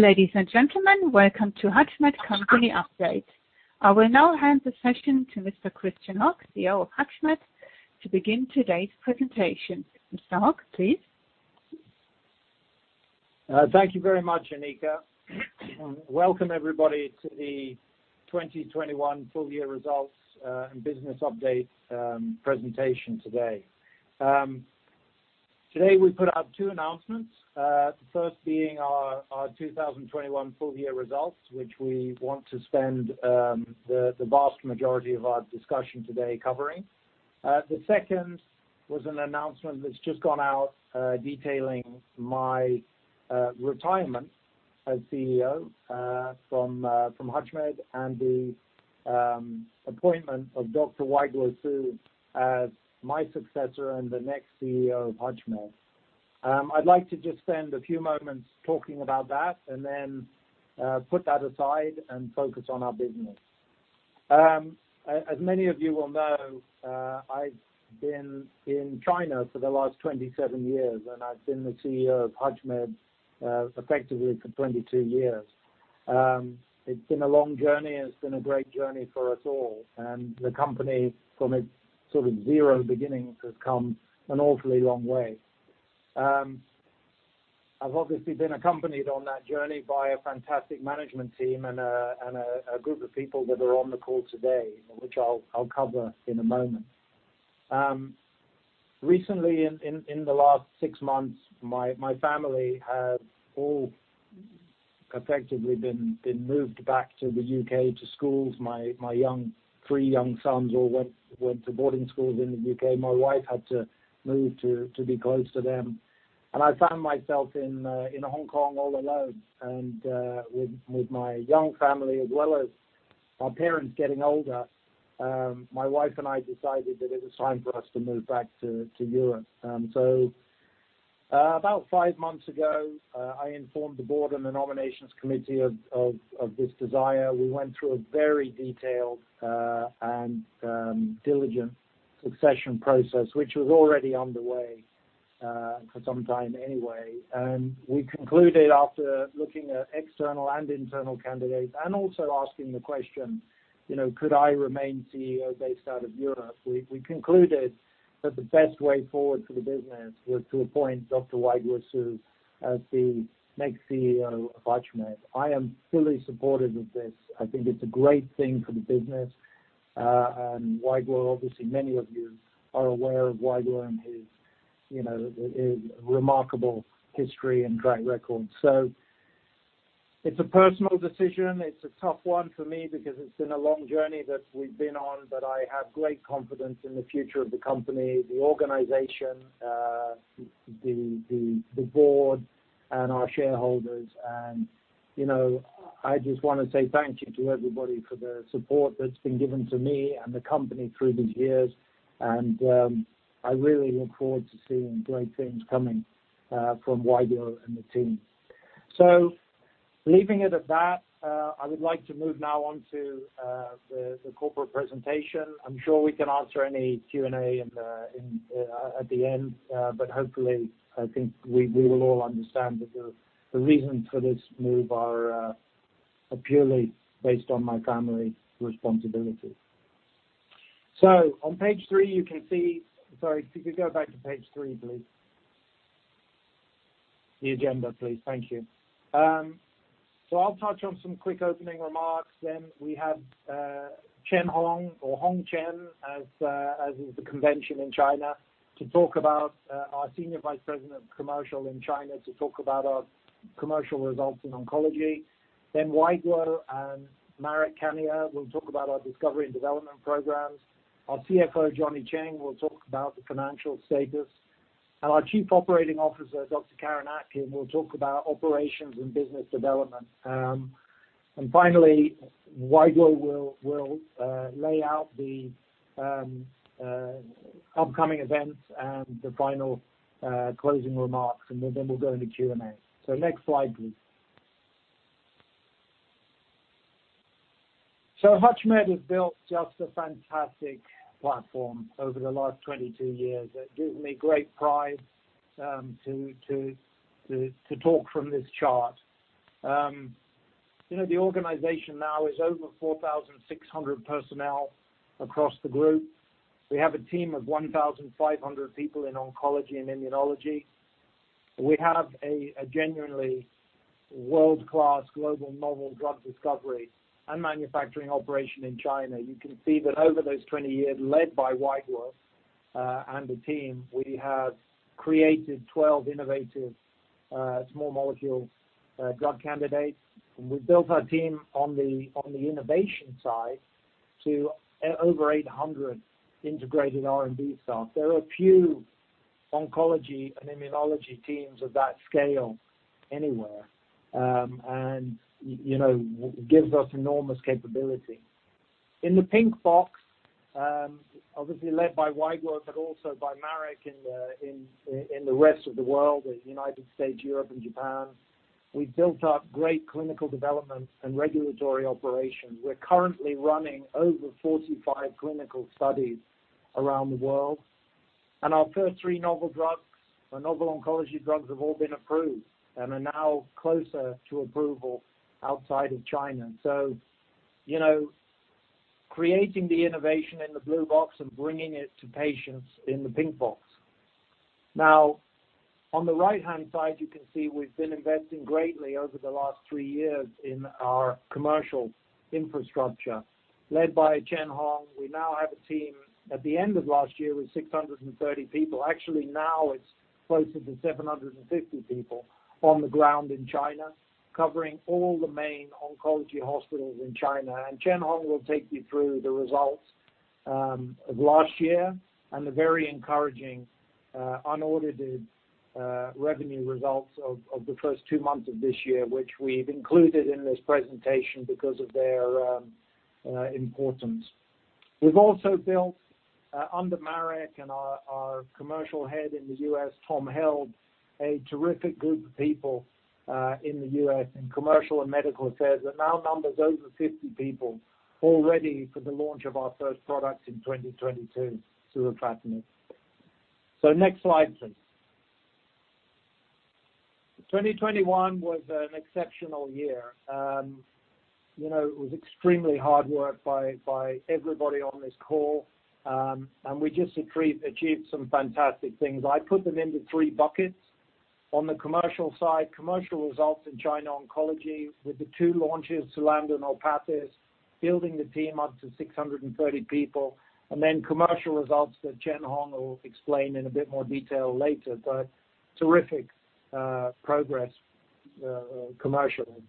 Ladies and gentlemen, welcome to HUTCHMED Company Update. I will now hand the session to Mr. Christian Hogg, CEO of HUTCHMED, to begin today's presentation. Mr. Hogg, please. Thank you very much, Annika. Welcome everybody to the 2021 full year results and business update presentation today. Today we put out two announcements, the first being our 2021 full year results, which we want to spend the vast majority of our discussion today covering. The second was an announcement that's just gone out, detailing my retirement as CEO from HUTCHMED and the appointment of Dr. Weiguo Su as my successor and the next CEO of HUTCHMED. I'd like to just spend a few moments talking about that and then put that aside and focus on our business. As many of you will know, I've been in China for the last 27 years, and I've been the CEO of HUTCHMED effectively for 22 years. It's been a long journey, and it's been a great journey for us all, and the company from its sort of zero beginnings has come an awfully long way. I've obviously been accompanied on that journey by a fantastic management team and a group of people that are on the call today, which I'll cover in a moment. Recently in the last six months, my family have all effectively been moved back to the U.K. to schools. My three young sons all went to boarding schools in the U.K. My wife had to move to be close to them. I found myself in Hong Kong all alone and with my young family as well as my parents getting older, my wife and I decided that it was time for us to move back to Europe. About five months ago, I informed the board and the nominations committee of this desire. We went through a very detailed and diligent succession process, which was already underway for some time anyway. We concluded after looking at external and internal candidates and also asking the question, you know, could I remain CEO based out of Europe? We concluded that the best way forward for the business was to appoint Dr. Weiguo Su as the next CEO of HUTCHMED. I am fully supportive of this. I think it's a great thing for the business. Weiguo, obviously many of you are aware of Weiguo and his, you know, his remarkable history and track record. It's a personal decision. It's a tough one for me because it's been a long journey that we've been on, but I have great confidence in the future of the company, the organization, the board and our shareholders. You know, I just wanna say thank you to everybody for the support that's been given to me and the company through these years. I really look forward to seeing great things coming from Weiguo and the team. Leaving it at that, I would like to move now on to the corporate presentation. I'm sure we can answer any Q&A at the end. Hopefully, I think we will all understand that the reasons for this move are purely based on my family responsibilities. On page three, you can see the agenda. I'll touch on some quick opening remarks, then we have Hong Chen, as is the convention in China, our Senior Vice President of Commercial in China, to talk about our commercial results in oncology. Then Weiguo and Marek Kania will talk about our discovery and development programs. Our CFO, Johnny Cheng, will talk about the financial status. Our Chief Operating Officer, Dr. Karen Atkin, will talk about operations and business development. Finally, Weiguo will lay out the upcoming events and the final closing remarks, and then we'll go into Q&A. Next slide, please. HUTCHMED has built just a fantastic platform over the last 22 years. It gives me great pride to talk from this chart. You know, the organization now is over 4,600 personnel across the group. We have a team of 1,500 people in oncology and immunology. We have a genuinely world-class global novel drug discovery and manufacturing operation in China. You can see that over those 20 years, led by Weiguo and the team, we have created 12 innovative small molecule drug candidates. We've built our team on the innovation side to over 800 integrated R&D staff. There are few oncology and immunology teams of that scale anywhere, and, you know, gives us enormous capability. In the pink box, obviously led by Weiguo, but also by Marek in the rest of the world, the United States, Europe and Japan, we've built up great clinical development and regulatory operations. We're currently running over 45 clinical studies around the world. Our first 3 novel drugs, our novel oncology drugs have all been approved and are now closer to approval outside of China. You know, creating the innovation in the blue box and bringing it to patients in the pink box. Now, on the right-hand side, you can see we've been investing greatly over the last 3 years in our commercial infrastructure led by Hong Chen. We now have a team, at the end of last year, with 630 people. Actually, now it's closer to 750 people on the ground in China, covering all the main oncology hospitals in China. Hong Chen will take you through the results of last year and the very encouraging unaudited revenue results of the first two months of this year, which we've included in this presentation because of their importance. We've also built under Marek and our commercial head in the U.S., Tom Held, a terrific group of people in the U.S. in commercial and medical affairs that now numbers over 50 people, all ready for the launch of our first product in 2022, surufatinib. Next slide, please. 2021 was an exceptional year. You know, it was extremely hard work by everybody on this call. We just achieved some fantastic things. I put them into three buckets. On the commercial side, commercial results in China oncology, with the two launches, SULANDA and ORPATHYS, building the team up to 630 people, and then commercial results that Hong Chen will explain in a bit more detail later. Terrific progress commercially.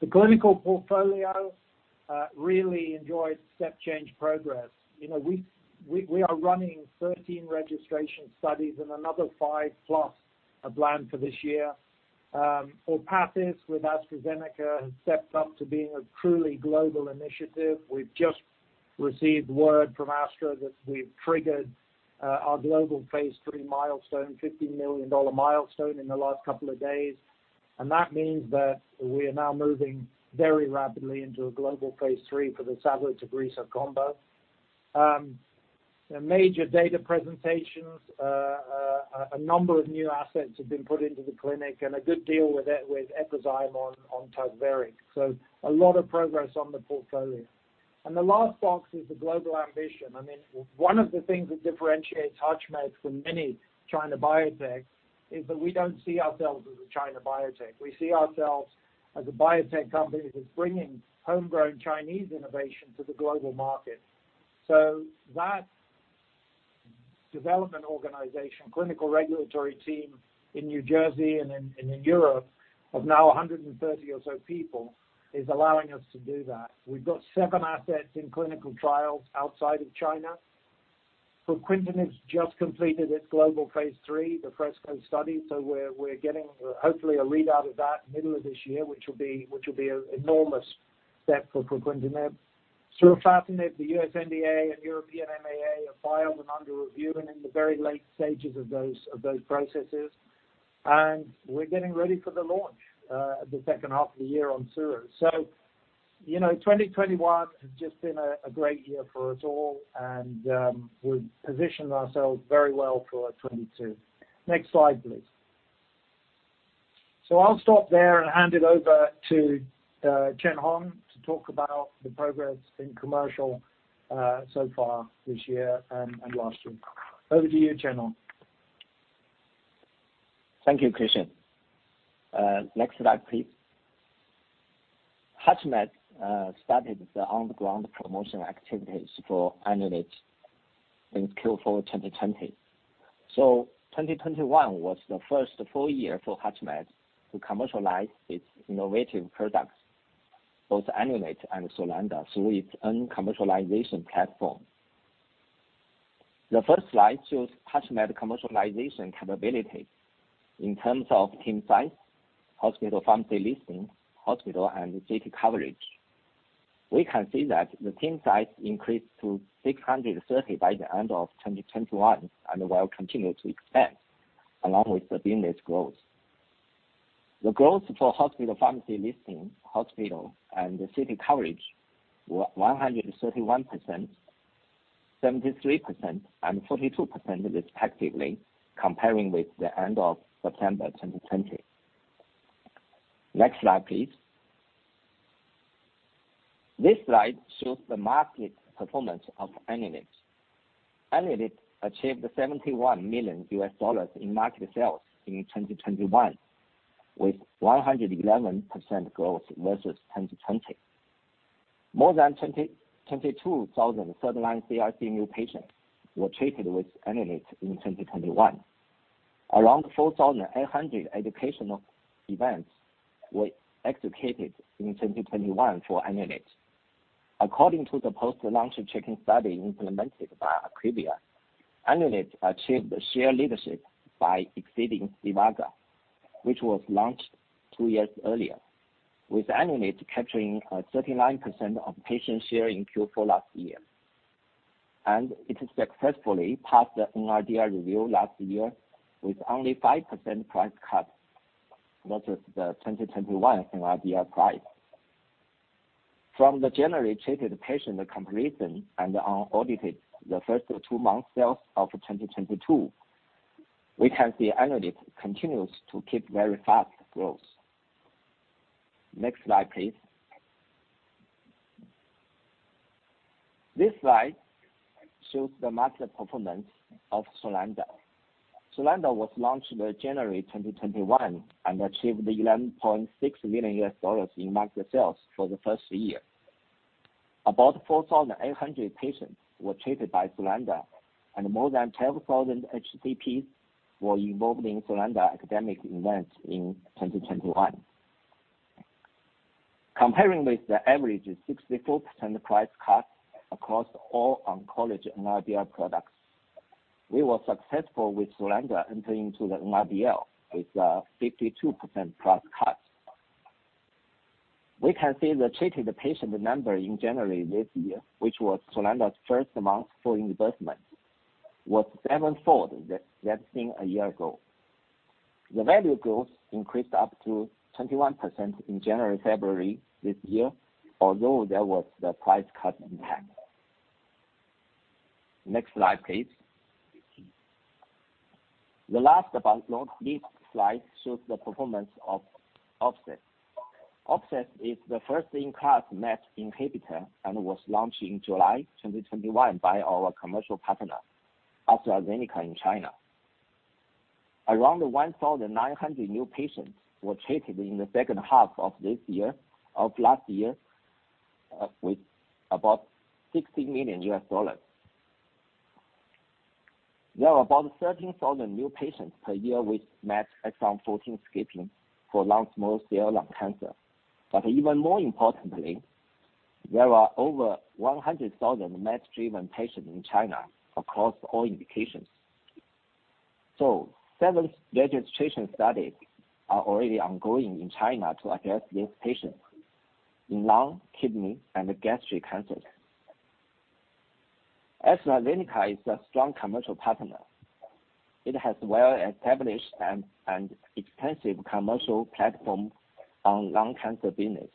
The clinical portfolio really enjoyed step change progress. You know, we are running 13 registration studies and another 5+ are planned for this year. ORPATHYS with AstraZeneca has stepped up to being a truly global initiative. We've just received word from Astra that we've triggered our global phase III milestone, $50 million milestone in the last couple of days. That means that we are now moving very rapidly into a global phase III for the savolitinib combo. Major data presentations, a number of new assets have been put into the clinic and a good deal with Epizyme on TAZVERIK. A lot of progress on the portfolio. The last box is the global ambition. I mean, one of the things that differentiates HUTCHMED from many China biotechs is that we don't see ourselves as a China biotech. We see ourselves as a biotech company that's bringing homegrown Chinese innovation to the global market. That development organization, clinical regulatory team in New Jersey and in Europe of now 130 or so people, is allowing us to do that. We've got seven assets in clinical trials outside of China. Fruquintinib's just completed its global phase III, the FRESCO study, so we're getting hopefully a readout of that middle of this year, which will be an enormous step for fruquintinib. Surufatinib, the U.S. NDA and European MAA are filed and under review and in the very late stages of those processes. We're getting ready for the launch, the second half of the year on surufatinib. You know, 2021 has just been a great year for us all and we've positioned ourselves very well for 2022. Next slide, please. I'll stop there and hand it over to Chen Hong to talk about the progress in commercial so far this year and last year. Over to you, Chen Hong. Thank you, Christian. Next slide, please. HUTCHMED started the on-the-ground promotion activities for ELUNATE in Q4 2020. 2021 was the first full year for HUTCHMED to commercialize its innovative products, both ELUNATE and SULANDA, through its own commercialization platform. The first slide shows HUTCHMED commercialization capabilities in terms of team size, hospital pharmacy listing, hospital and city coverage. We can see that the team size increased to 630 by the end of 2021 and will continue to expand along with the business growth. The growth for hospital pharmacy listing, hospital and the city coverage were 131%, 73%, and 42% respectively, comparing with the end of September 2020. Next slide, please. This slide shows the market performance of ELUNATE. ELUNATE achieved $71 million in market sales in 2021, with 111% growth versus 2020. More than 22,000 first-line CRC new patients were treated with ELUNATE in 2021. Around 4,800 educational events were executed in 2021 for ELUNATE. According to the post-launch checking study implemented by IQVIA, ELUNATE achieved the share leadership by exceeding Cyramza, which was launched two years earlier, with ELUNATE capturing 39% of patient share in Q4 last year. It has successfully passed the NRDL review last year with only 5% price cut versus the 2021 NRDL price. From the January treated patient completion and the unaudited first two months sales of 2022, we can see ELUNATE continues to keep very fast growth. Next slide, please. This slide shows the market performance of SULANDA. SULANDA was launched in January 2021 and achieved $11.6 million in market sales for the first year. About 4,800 patients were treated by SULANDA, and more than 12,000 HCPs were involved in SULANDA academic events in 2021. Comparing with the average 64% price cut across all oncology NRDL products, we were successful with SULANDA entering to the NRDL with a 52% price cut. We can see the treated patient number in January this year, which was SULANDA's first month for reimbursement, was sevenfold that seen a year ago. The value growth increased up to 21% in January, February this year, although there was the price cut impact. Next slide, please. The last but not least slide shows the performance of ORPATHYS. ORPATHYS is the first-in-class MET inhibitor and was launched in July 2021 by our commercial partner, AstraZeneca, in China. Around 1,900 new patients were treated in the second half of last year with about $60 million. There are about 13,000 new patients per year with MET exon 14 skipping for non-small cell lung cancer. Even more importantly, there are over 100,000 MET-driven patients in China across all indications. Seven registration studies are already ongoing in China to address these patients in lung, kidney, and gastric cancers. AstraZeneca is a strong commercial partner. It has well-established and extensive commercial platform on lung cancer business.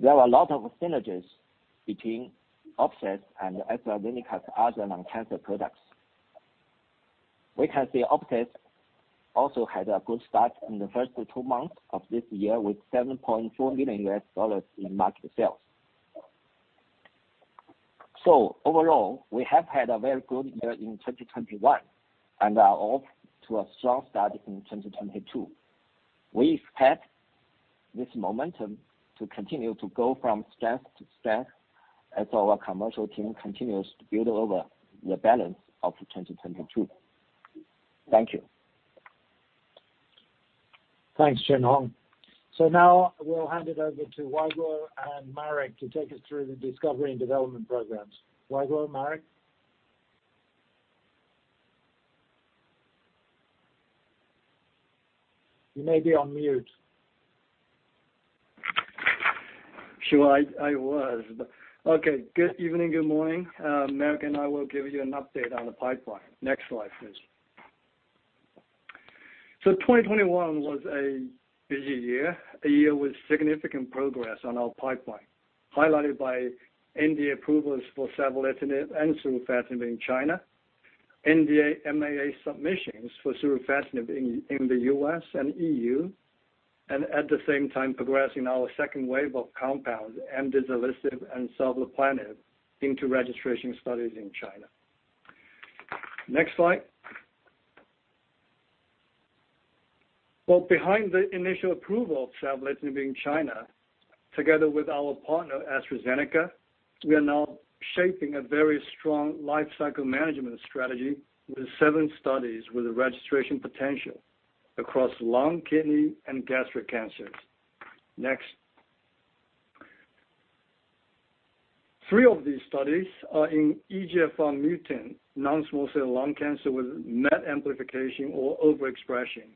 There are a lot of synergies between ORPATHYS and AstraZeneca's other lung cancer products. We can see ORPATHYS also had a good start in the first two months of this year with $7.4 million in market sales. Overall, we have had a very good year in 2021 and are off to a strong start in 2022. We expect this momentum to continue to go from strength to strength as our commercial team continues to build over the balance of 2022. Thank you. Thanks, Johnny Cheng. Now we'll hand it over to Weiguo Su and Marek Kania to take us through the discovery and development programs. Weiguo Su, Marek Kania? You may be on mute. Sure. I was, but okay. Good evening, good morning. Marek and I will give you an update on the pipeline. Next slide, please. 2021 was a busy year, a year with significant progress on our pipeline, highlighted by NDA approvals for savolitinib and surufatinib in China, NDA MAA submissions for surufatinib in the U.S. and EU. At the same time progressing our second wave of compounds, amdizalisib and sovleplenib, into registration studies in China. Next slide. Well, behind the initial approval of savolitinib in China, together with our partner AstraZeneca, we are now shaping a very strong life cycle management strategy with seven studies with a registration potential across lung, kidney, and gastric cancers. Next. Three of these studies are in EGFR mutant non-small cell lung cancer with MET amplification or overexpression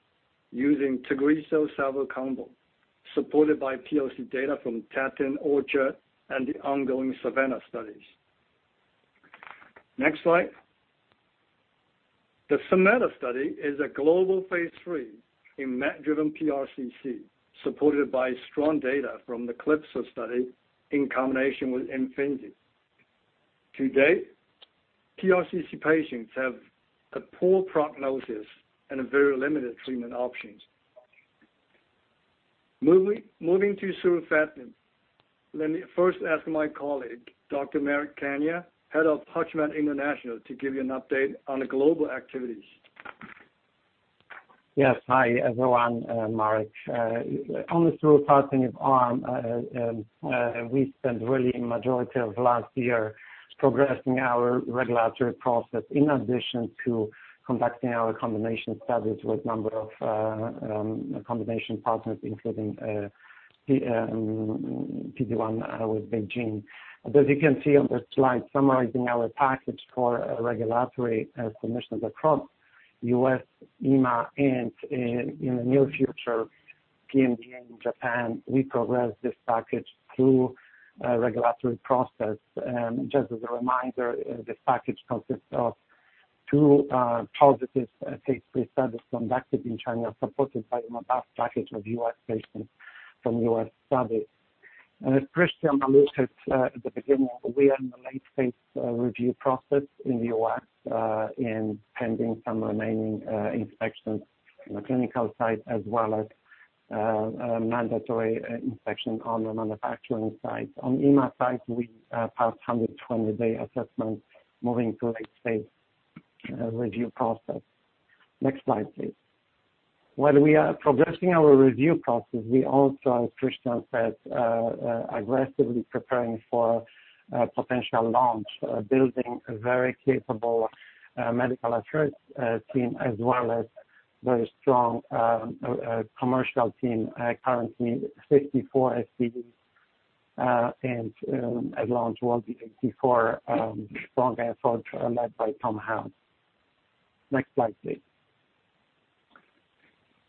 using Tagrisso/savo combo, supported by POC data from TATTON, ORCHARD, and the ongoing SAVANNAH studies. Next slide. The SAMETA study is a global phase III in MET-driven PRCC, supported by strong data from the CALYPSO study in combination with Imfinzi. To date, PRCC patients have a poor prognosis and very limited treatment options. Moving to surufatinib, let me first ask my colleague, Dr. Marek Kania, Head of HUTCHMED International, to give you an update on the global activities. Yes. Hi, everyone, Marek. On the surufatinib arm, we spent the majority of last year progressing our regulatory process in addition to conducting our combination studies with a number of combination partners, including PD-1 with BeiGene. As you can see on the slide summarizing our package for regulatory submissions across the U.S., EMA, and in the near future, PMDA in Japan, we progress this package through a regulatory process. Just as a reminder, this package consists of two positive phase III studies conducted in China supported by a robust package of U.S. patients from U.S. studies. As Christian alluded at the beginning, we are in the late phase review process in the U.S., pending some remaining inspections in the clinical site as well as a mandatory inspection on the manufacturing site. On EMA side, we passed 120-day assessment moving to late phase review process. Next slide, please. While we are progressing our review process, we also, as Christian said, aggressively preparing for a potential launch, building a very capable medical affairs team as well as very strong commercial team, currently 54 FTEs, and at launch will be 84, strong effort led by Tom Held. Next slide, please.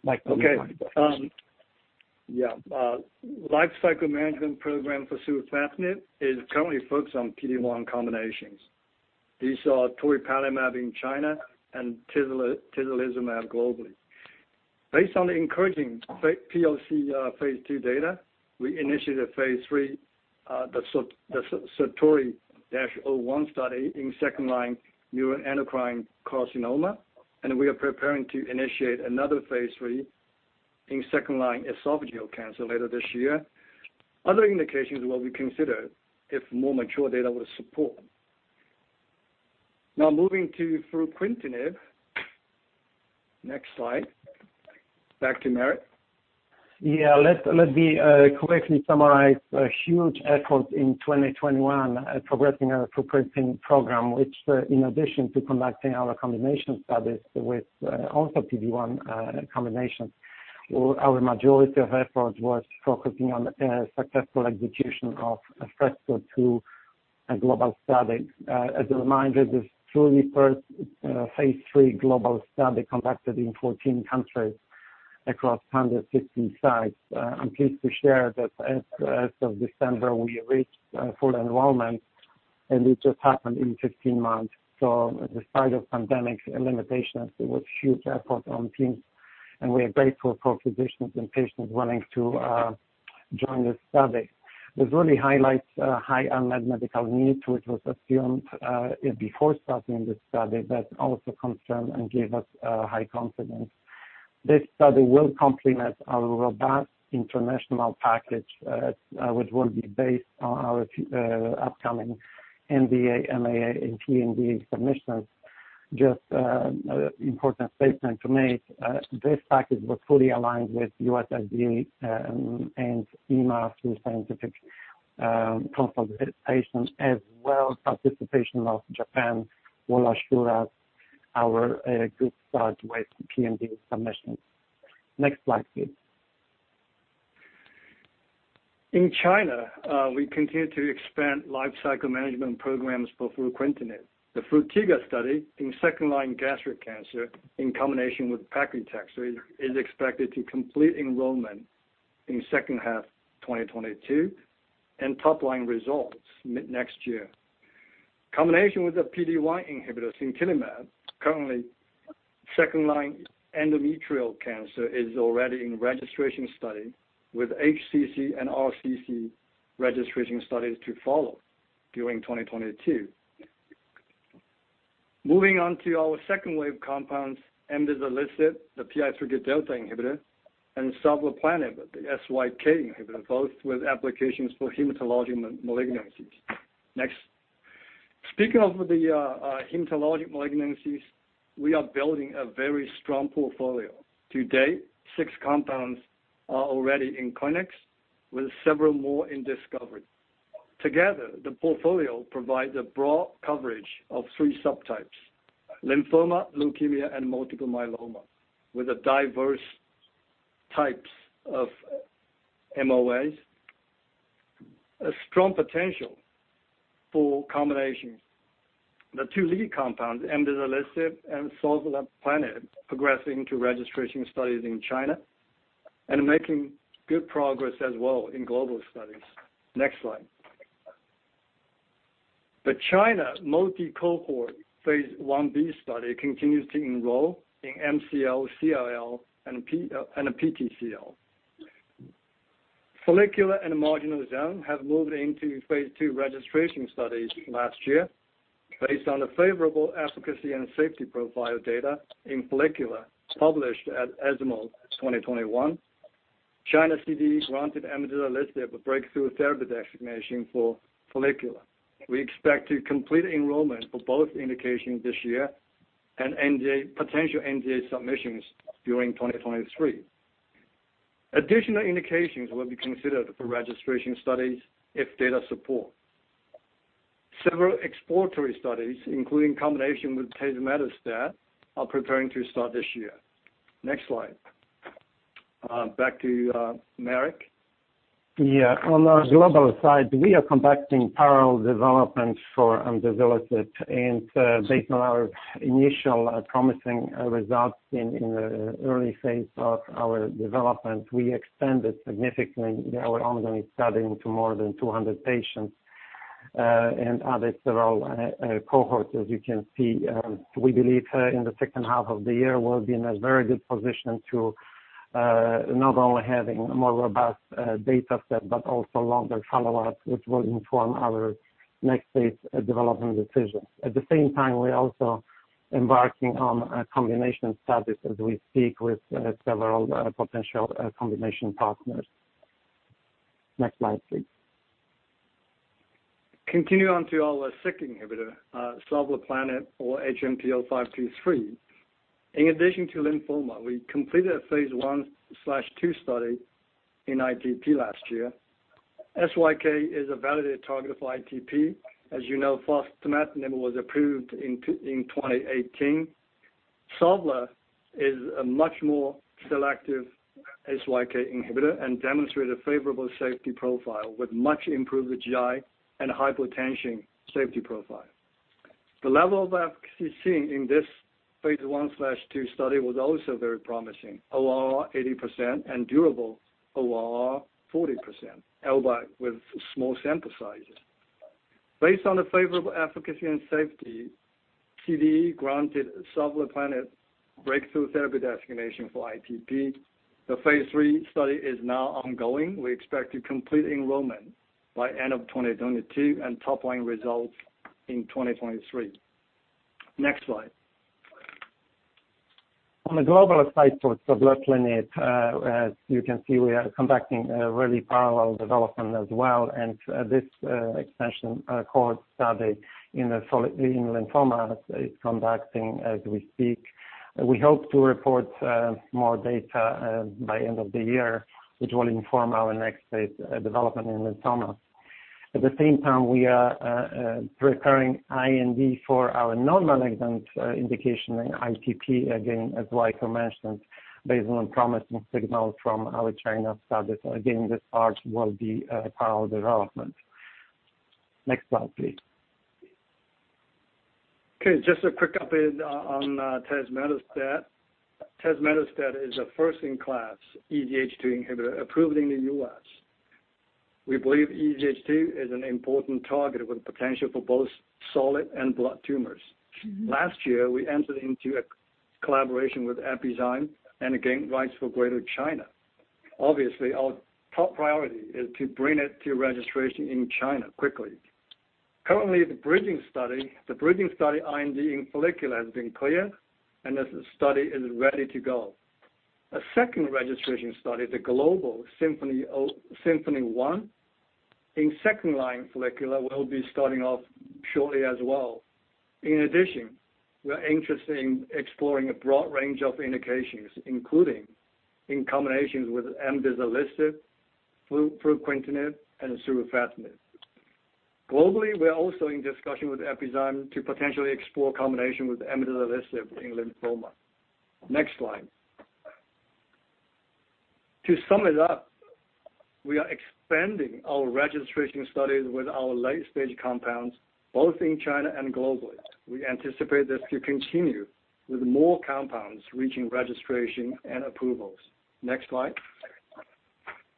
Mike, over to you. Lifecycle management program for surufatinib is currently focused on PD-1 combinations. These are toripalimab in China and tislelizumab globally. Based on the encouraging POC phase II data, we initiated phase III, the SURTORI-01 study in second-line neuroendocrine carcinoma, and we are preparing to initiate another phase III in second-line esophageal cancer later this year. Other indications will be considered if more mature data will support. Now moving to fruquintinib. Next slide. Back to Marek. Yeah. Let me quickly summarize a huge effort in 2021, progressing our fruquintinib program, which, in addition to conducting our combination studies with also PD-1 combinations, our majority of effort was focusing on successful execution of FRESCO-2, a global study. As a reminder, this is truly first phase III global study conducted in 14 countries across 116 sites. I'm pleased to share that as of December, we reached full enrollment, and it just happened in 15 months. Despite of pandemic limitations, it was huge effort on teams, and we are grateful for physicians and patients willing to join this study, which really highlights high unmet medical need, which was assumed before starting this study that also confirmed and gave us high confidence. This study will complement our robust international package, which will be based on our upcoming NDA, MAA, and PMDA submissions. Just important statement to make, this package was fully aligned with U.S. FDA and EMA through scientific consultation as well participation of Japan will assure us our good start with PMDA submissions. Next slide, please. In China, we continue to expand lifecycle management programs for fruquintinib. The FRUTIGA study in second-line gastric cancer in combination with paclitaxel is expected to complete enrollment in second half of 2022, and top line results mid next year. Combination with the PD-1 inhibitor sintilimab, currently second line endometrial cancer is already in registration study with HCC and RCC registration studies to follow during 2022. Moving on to our second wave compounds, amdizalisib, the PI3Kδ inhibitor, and sovleplenib, the SYK inhibitor, both with applications for hematologic malignancies. Next. Speaking of the hematologic malignancies, we are building a very strong portfolio. To date, 6 compounds are already in clinics with several more in discovery. Together, the portfolio provides a broad coverage of 3 subtypes, lymphoma, leukemia, and multiple myeloma, with a diverse types of MOAs, a strong potential for combinations. The two lead compounds, amdizalisib and sovleplenib, progressing to registration studies in China and making good progress as well in global studies. Next slide. The China multi-cohort phase Ib study continues to enroll in MCL, CLL, and PTCL. Follicular and marginal zone have moved into phase II registration studies last year based on the favorable efficacy and safety profile data in follicular published at ESMO 2021. China CDE granted amdizalisib a breakthrough therapy designation for follicular. We expect to complete enrollment for both indications this year and potential NDA submissions during 2023. Additional indications will be considered for registration studies if data support. Several exploratory studies, including combination with tazemetostat, are preparing to start this year. Next slide. Back to Marek. Yeah. On the global side, we are conducting parallel developments for amdizalisib, and based on our initial promising results in the early phase of our development, we expanded significantly our ongoing study into more than 200 patients, and added several cohorts, as you can see. We believe in the second half of the year we'll be in a very good position to not only having a more robust data set, but also longer follow-ups, which will inform our next phase of development decisions. At the same time, we're also embarking on combination studies, as we speak with several potential combination partners. Next slide, please. Continue on to our SYK inhibitor, sovleplenib or HMPL-523. In addition to lymphoma, we completed a phase I/II study in ITP last year. SYK is a validated target for ITP. As you know, fostamatinib was approved in 2018. Sovleplenib is a much more selective SYK inhibitor and demonstrated favorable safety profile with much improved GI and hypotension safety profile. The level of efficacy seen in this phase I/II study was also very promising. OR 80% and durable OR 40%, albeit with small sample sizes. Based on the favorable efficacy and safety, CDE granted sovleplenib breakthrough therapy designation for ITP. The phase III study is now ongoing. We expect to complete enrollment by end of 2022 and top line results in 2023. Next slide. On a global side for sovleplenib, as you can see, we are conducting a really parallel development as well, and this expansion cohort study in lymphoma is conducting as we speak. We hope to report more data by end of the year, which will inform our next phase development in lymphoma. At the same time, we are preparing IND for our non-malignant indication in ITP, again, as Weiguo mentioned, based on promising signals from our China studies. Again, this part will be parallel development. Next slide, please. Okay, just a quick update on tazemetostat. Tazemetostat is a first-in-class EZH2 inhibitor approved in the U.S. We believe EZH2 is an important target with potential for both solid and blood tumors. Last year, we entered into a collaboration with Epizyme and gained rights for Greater China. Obviously, our top priority is to bring it to registration in China quickly. Currently, the bridging study IND in follicular has been cleared, and the study is ready to go. A second registration study, the global SYMPHONY-1 in second-line follicular will be starting off shortly as well. In addition, we are interested in exploring a broad range of indications, including in combinations with amdizalisib, fruquintinib, and surufatinib. Globally, we are also in discussion with Epizyme to potentially explore combination with amdizalisib in lymphoma. Next slide. To sum it up, we are expanding our registration studies with our late-stage compounds both in China and globally. We anticipate this to continue with more compounds reaching registration and approvals. Next slide.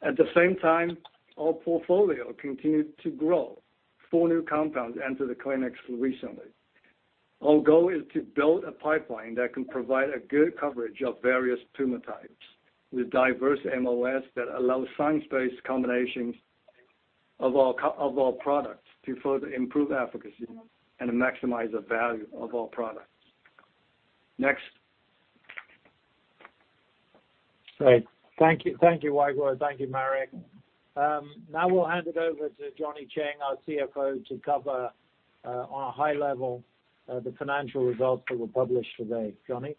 At the same time, our portfolio continued to grow. Four new compounds entered the clinics recently. Our goal is to build a pipeline that can provide a good coverage of various tumor types with diverse MOAs that allows science-based combinations of our products to further improve efficacy and maximize the value of our products. Next. Great. Thank you. Thank you, Weiguo. Thank you, Marek. Now we'll hand it over to Johnny Cheng, our CFO, to cover on a high level the financial results that were published today. Johnny?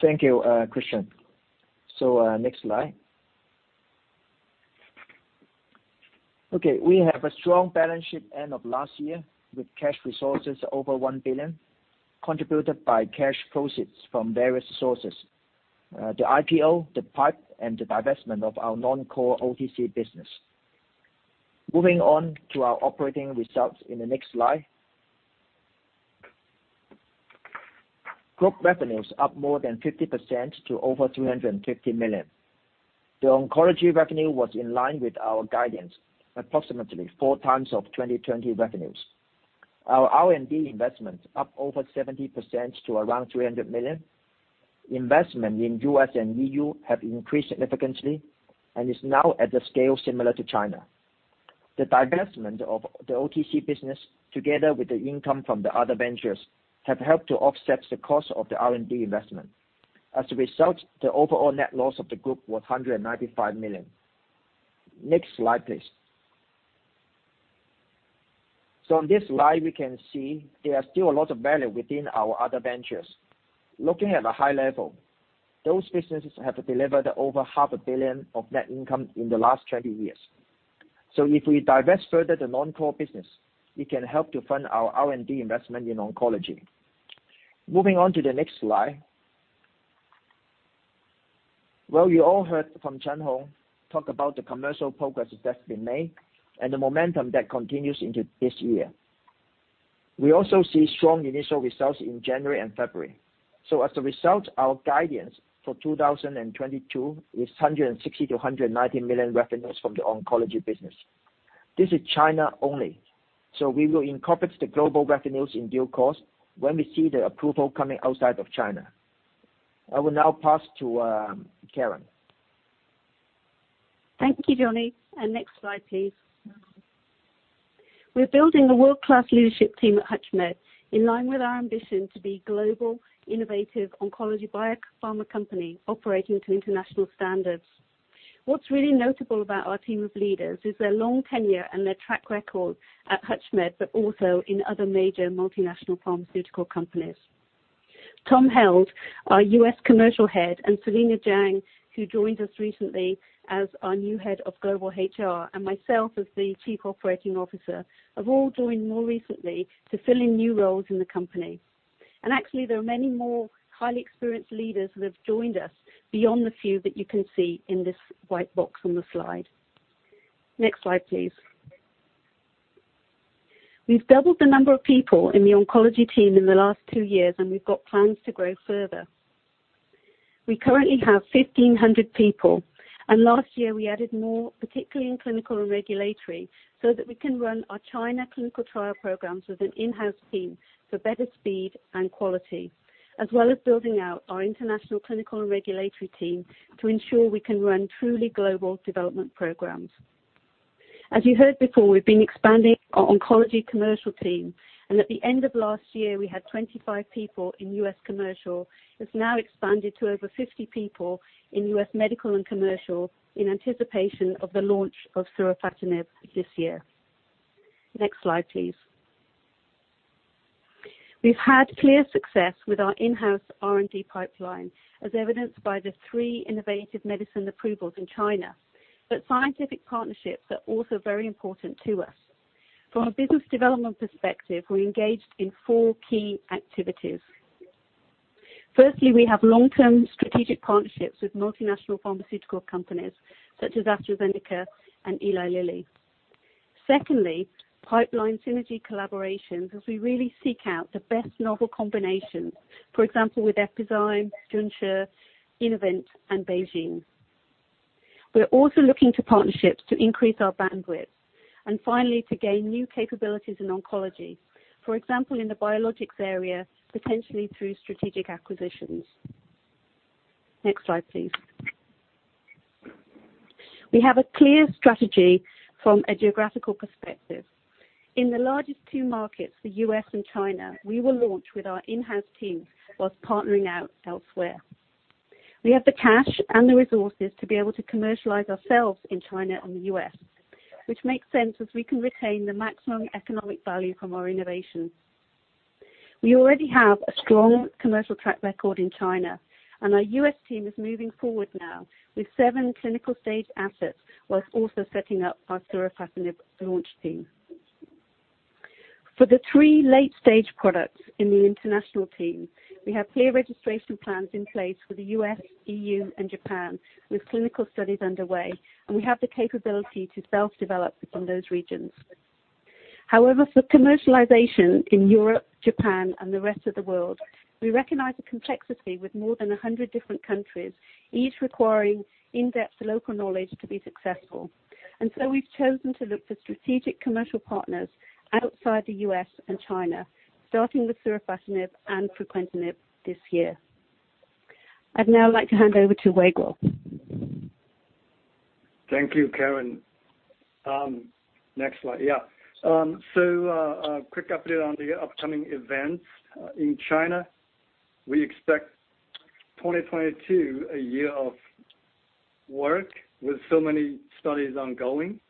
Thank you, Christian. Next slide. We have a strong balance sheet end of last year with cash resources over $1 billion, contributed by cash proceeds from various sources. The IPO, the PIPE, and the divestment of our non-core OTC business. Moving on to our operating results in the next slide. Group revenues up more than 50% to over $350 million. The oncology revenue was in line with our guidance, approximately 4 times of 2020 revenues. Our R&D investment up over 70% to around $300 million. Investment in U.S. and EU have increased significantly and is now at a scale similar to China. The divestment of the OTC business, together with the income from the other ventures, have helped to offset the cost of the R&D investment. As a result, the overall net loss of the group was $195 million. Next slide, please. On this slide, we can see there are still a lot of value within our other ventures. Looking at a high level, those businesses have delivered over half a billion of net income in the last 20 years. If we divest further the non-core business, it can help to fund our R&D investment in oncology. Moving on to the next slide. Well, you all heard from Hong Chen talk about the commercial progress that's been made and the momentum that continues into this year. We also see strong initial results in January and February. As a result, our guidance for 2022 is $160 million-$190 million revenues from the oncology business. This is China only, so we will incorporate the global revenues in due course when we see the approval coming outside of China. I will now pass to Karen. Thank you, Johnny. Next slide, please. We're building a world-class leadership team at HUTCHMED, in line with our ambition to be global, innovative oncology biopharma company operating to international standards. What's really notable about our team of leaders is their long tenure and their track record at HUTCHMED, but also in other major multinational pharmaceutical companies. Tom Held, our U.S. commercial head, and Selina Jiang, who joined us recently as our new head of global HR, and myself as the Chief Operating Officer, have all joined more recently to fill in new roles in the company. Actually there are many more highly experienced leaders who have joined us beyond the few that you can see in this white box on the slide. Next slide, please. We've doubled the number of people in the oncology team in the last two years, and we've got plans to grow further. We currently have 1,500 people, and last year we added more, particularly in clinical and regulatory, so that we can run our China clinical trial programs with an in-house team for better speed and quality. As well as building out our international clinical and regulatory team to ensure we can run truly global development programs. As you heard before, we've been expanding our oncology commercial team, and at the end of last year, we had 25 people in U.S. commercial. It's now expanded to over 50 people in U.S. medical and commercial in anticipation of the launch of savolitinib this year. Next slide, please. We've had clear success with our in-house R&D pipeline, as evidenced by the three innovative medicine approvals in China. Scientific partnerships are also very important to us. From a business development perspective, we're engaged in four key activities. Firstly, we have long-term strategic partnerships with multinational pharmaceutical companies such as AstraZeneca and Eli Lilly. Secondly, pipeline synergy collaborations, as we really seek out the best novel combinations, for example, with Epizyme, Junshi Biosciences, Innovent and BeiGene. We are also looking to partnerships to increase our bandwidth and finally, to gain new capabilities in oncology, for example, in the biologics area, potentially through strategic acquisitions. Next slide, please. We have a clear strategy from a geographical perspective. In the largest two markets, the U.S. and China, we will launch with our in-house team while partnering out elsewhere. We have the cash and the resources to be able to commercialize ourselves in China and the U.S., which makes sense as we can retain the maximum economic value from our innovations. We already have a strong commercial track record in China, and our U.S. team is moving forward now with 7 clinical stage assets, while also setting up our savolitinib launch team. For the 3 late stage products in the international team, we have clear registration plans in place for the U.S., EU and Japan, with clinical studies underway, and we have the capability to self-develop in those regions. However, for commercialization in Europe, Japan and the rest of the world, we recognize the complexity with more than 100 different countries, each requiring in-depth local knowledge to be successful. We've chosen to look for strategic commercial partners outside the U.S. and China, starting with savolitinib and fruquintinib this year. I'd now like to hand over to Weiguo. Thank you, Karen. Next slide. A quick update on the upcoming events. In China, we expect 2022, a year of work with so many studies ongoing,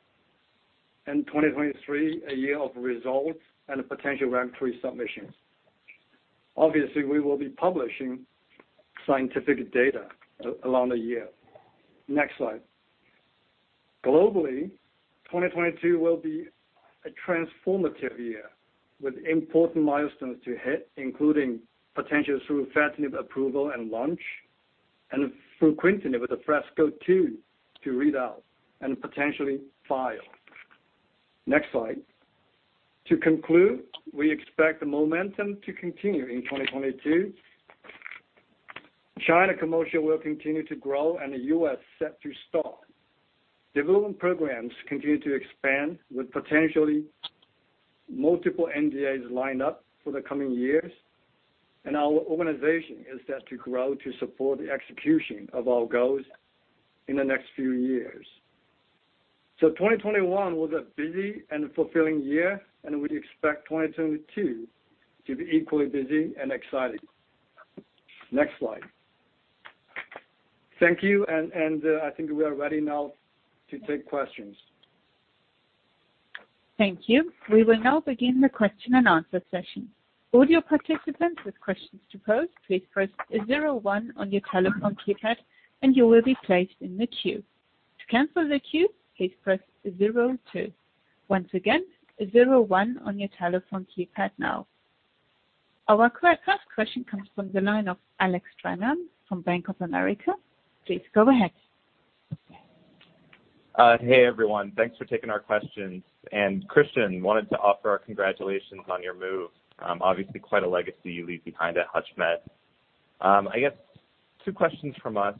and 2023, a year of results and potential regulatory submissions. Obviously, we will be publishing scientific data along the year. Next slide. Globally, 2022 will be a transformative year with important milestones to hit, including potential savolitinib approval and launch and fruquintinib with a FRESCO-2 to read out and potentially file. Next slide. To conclude, we expect the momentum to continue in 2022. China commercial will continue to grow and the U.S. set to start. Development programs continue to expand with potentially multiple NDAs lined up for the coming years. Our organization is set to grow to support the execution of our goals in the next few years. 2021 was a busy and fulfilling year, and we expect 2022 to be equally busy and exciting. Next slide. Thank you. I think we are ready now to take questions. Thank you. We will now begin the question and answer session. All you participants with questions to pose, please press zero one on your telephone keypad and you will be placed in the queue. To cancel the queue, please press zero two. Once again, zero one on your telephone keypad now. Our first question comes from the line of Alec Stranahan from Bank of America. Please go ahead. Hey everyone. Thanks for taking our questions. Christian, wanted to offer our congratulations on your move. Obviously quite a legacy you leave behind at HUTCHMED. I guess two questions from us.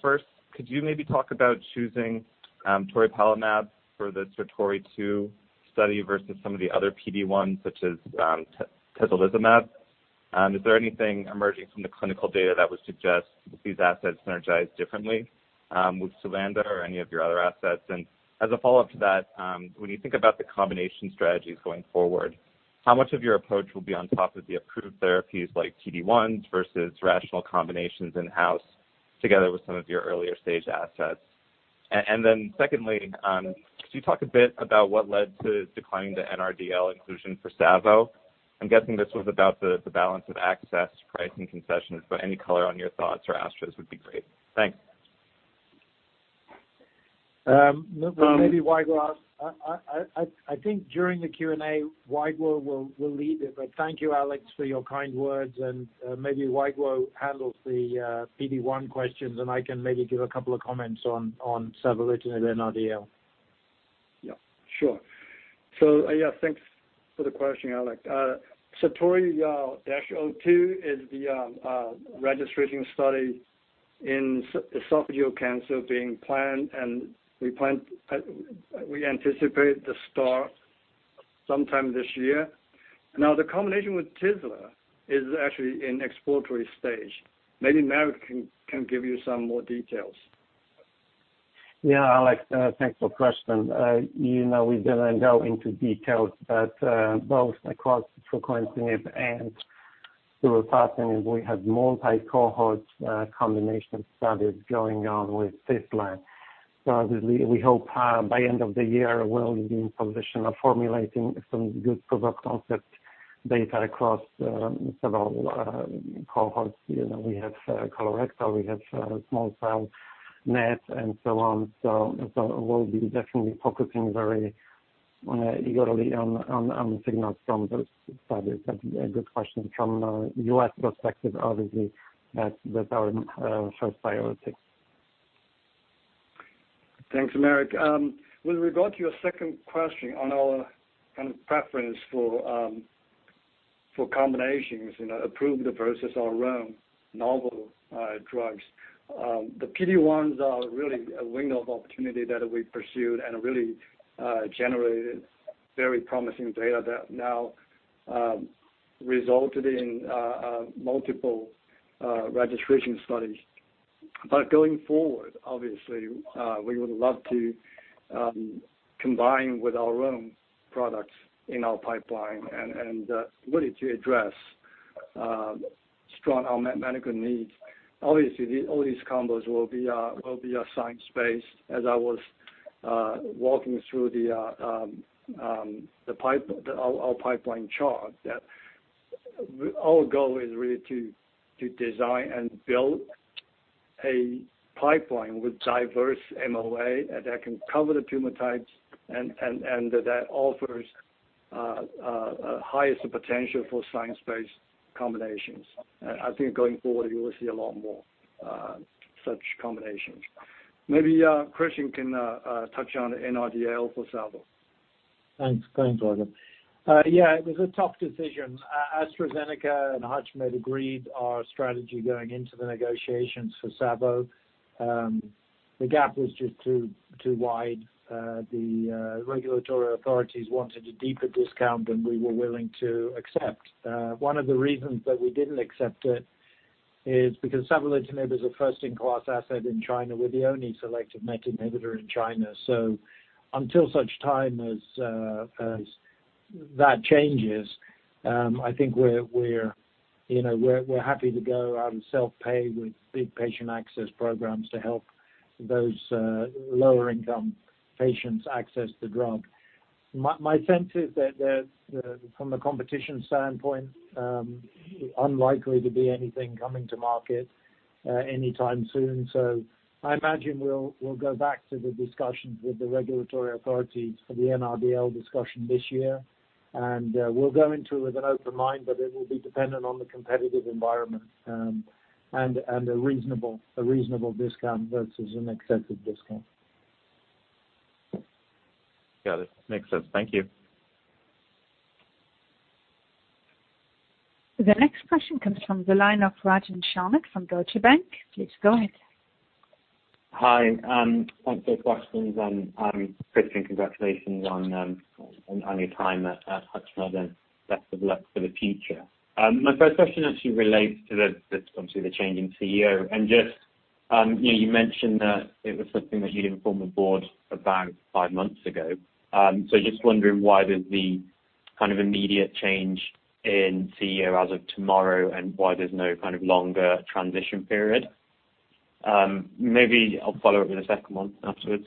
First, could you maybe talk about choosing toripalimab for the SATORI-02 study versus some of the other PD-1 such as atezolizumab? Is there anything emerging from the clinical data that would suggest these assets synergize differently with surufatinib or any of your other assets? As a follow-up to that, when you think about the combination strategies going forward, how much of your approach will be on top of the approved therapies like PD-1s versus rational combinations in-house together with some of your earlier stage assets? Secondly, could you talk a bit about what led to declining the NRDL inclusion for SAVO? I'm guessing this was about the balance of access, price, and concessions, but any color on your thoughts or AstraZeneca's would be great. Thanks. Um. Maybe Weiguo. I think during the Q&A, Weiguo will lead it. Thank you, Alex, for your kind words, and maybe Weiguo handles the PD-1 questions, and I can maybe give a couple of comments on savolitinib NRDL. Yeah, sure. Thanks for the question, Alec. SATORI-02 is the registration study in esophageal cancer being planned, and we anticipate the start sometime this year. Now, the combination with tislelizumab is actually in exploratory stage. Maybe Marek can give you some more details. Yeah, Alec, thanks for the question. You know, we didn't go into details, but both across fruquintinib and savolitinib we have multi-cohort combination studies going on with tislelizumab. We hope by the end of the year we'll be in position of formulating some good proof-of-concept data across several cohorts. You know, we have colorectal, we have small cell NET and so on. We'll be definitely focusing very eagerly on signals from those studies. That's a good question from U.S. perspective, obviously that's our first priority. Thanks, Marek. With regard to your second question on our kind of preference for combinations, you know, approved versus our own novel drugs, the PD ones are really a window of opportunity that we pursued and really generated very promising data that now resulted in multiple registration studies. Going forward, obviously, we would love to combine with our own products in our pipeline and really to address strong unmet medical needs. Obviously all these combos will be science-based. As I was walking through the pipeline chart, our goal is really to design and build a pipeline with diverse MOA that can cover the tumor types and that offers highest potential for science-based combinations. I think going forward you will see a lot more such combinations. Maybe Christian can touch on NRDL for SAVO. Thanks. Thanks, Weiguo. Yeah, it was a tough decision. AstraZeneca and HUTCHMED agreed our strategy going into the negotiations for SAVO. The gap was just too wide. The regulatory authorities wanted a deeper discount than we were willing to accept. One of the reasons that we didn't accept it is because savolitinib is a first-in-class asset in China. We're the only selective NET inhibitor in China. So until such time as that changes, I think we're happy to go out and self-pay with big patient access programs to help those lower income patients access the drug. My sense is that the from a competition standpoint, unlikely to be anything coming to market anytime soon. I imagine we'll go back to the discussions with the regulatory authorities for the NRDL discussion this year. We'll go into it with an open mind, but it will be dependent on the competitive environment, and a reasonable discount versus an excessive discount. Got it. Makes sense. Thank you. The next question comes from the line of Rajan Sharma from Deutsche Bank. Please go ahead. Hi, thanks for the questions. Christian, congratulations on your time at HUTCHMED and best of luck for the future. My first question actually relates to the obvious change in CEO and just, you know, you mentioned that it was something that you'd informed the board about five months ago. So just wondering why there's the kind of immediate change in CEO as of tomorrow and why there's no kind of longer transition period. Maybe I'll follow up with a second one afterwards.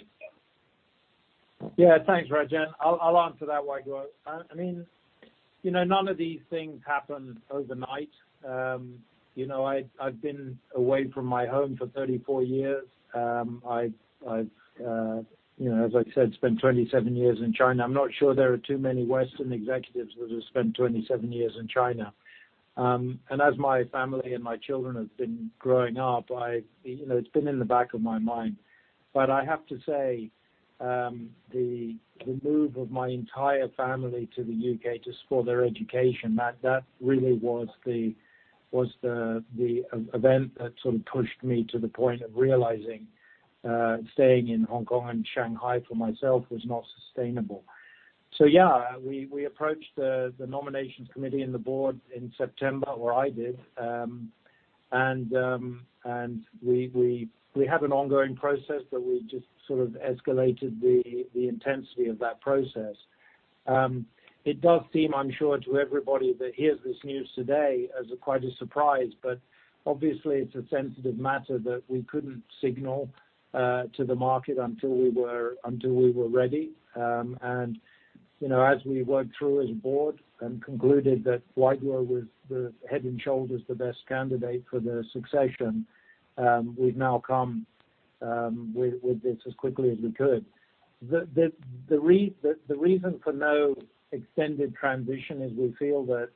Yeah, thanks Rajan. I'll answer that Weiguo. I mean, you know, none of these things happen overnight. You know, I've been away from my home for 34 years. You know, as I said, I've spent 27 years in China. I'm not sure there are too many Western executives that have spent 27 years in China. As my family and my children have been growing up, I, you know, it's been in the back of my mind. But I have to say, the move of my entire family to the U.K. just for their education, that really was the event that sort of pushed me to the point of realizing, staying in Hong Kong and Shanghai for myself was not sustainable. Yeah, we approached the nominations committee and the board in September, or I did. We have an ongoing process that we just sort of escalated the intensity of that process. It does seem, I'm sure, to everybody that hears this news today as quite a surprise. Obviously it's a sensitive matter that we couldn't signal to the market until we were ready. You know, as we worked through as a board and concluded that Weiguo Su was head and shoulders the best candidate for the succession, we've now come with this as quickly as we could. The reason for no extended transition is we feel that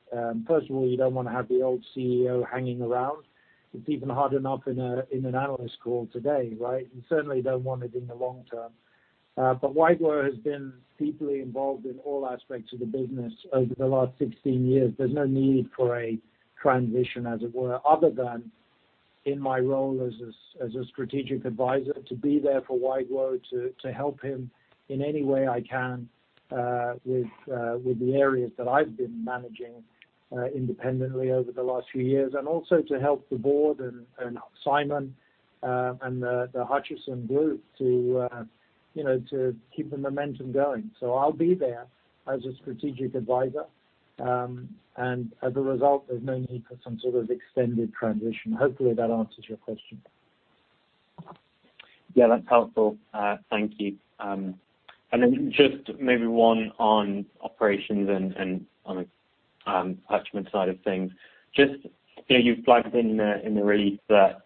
personally, you don't wanna have the old CEO hanging around. It's even hard enough in an analyst call today, right? You certainly don't want it in the long term. Weiguo Su has been deeply involved in all aspects of the business over the last 16 years. There's no need for a transition, as it were, other than in my role as a strategic advisor, to be there for Weiguo Su to help him in any way I can, with the areas that I've been managing independently over the last few years, and also to help the board and Simon To and the Hutchison group, you know, to keep the momentum going. I'll be there as a strategic advisor, and as a result, there's no need for some sort of extended transition. Hopefully, that answers your question. Yeah, that's helpful. Thank you. Then just maybe one on operations and on a Hutchison side of things. Just, you know, you've flagged in the release that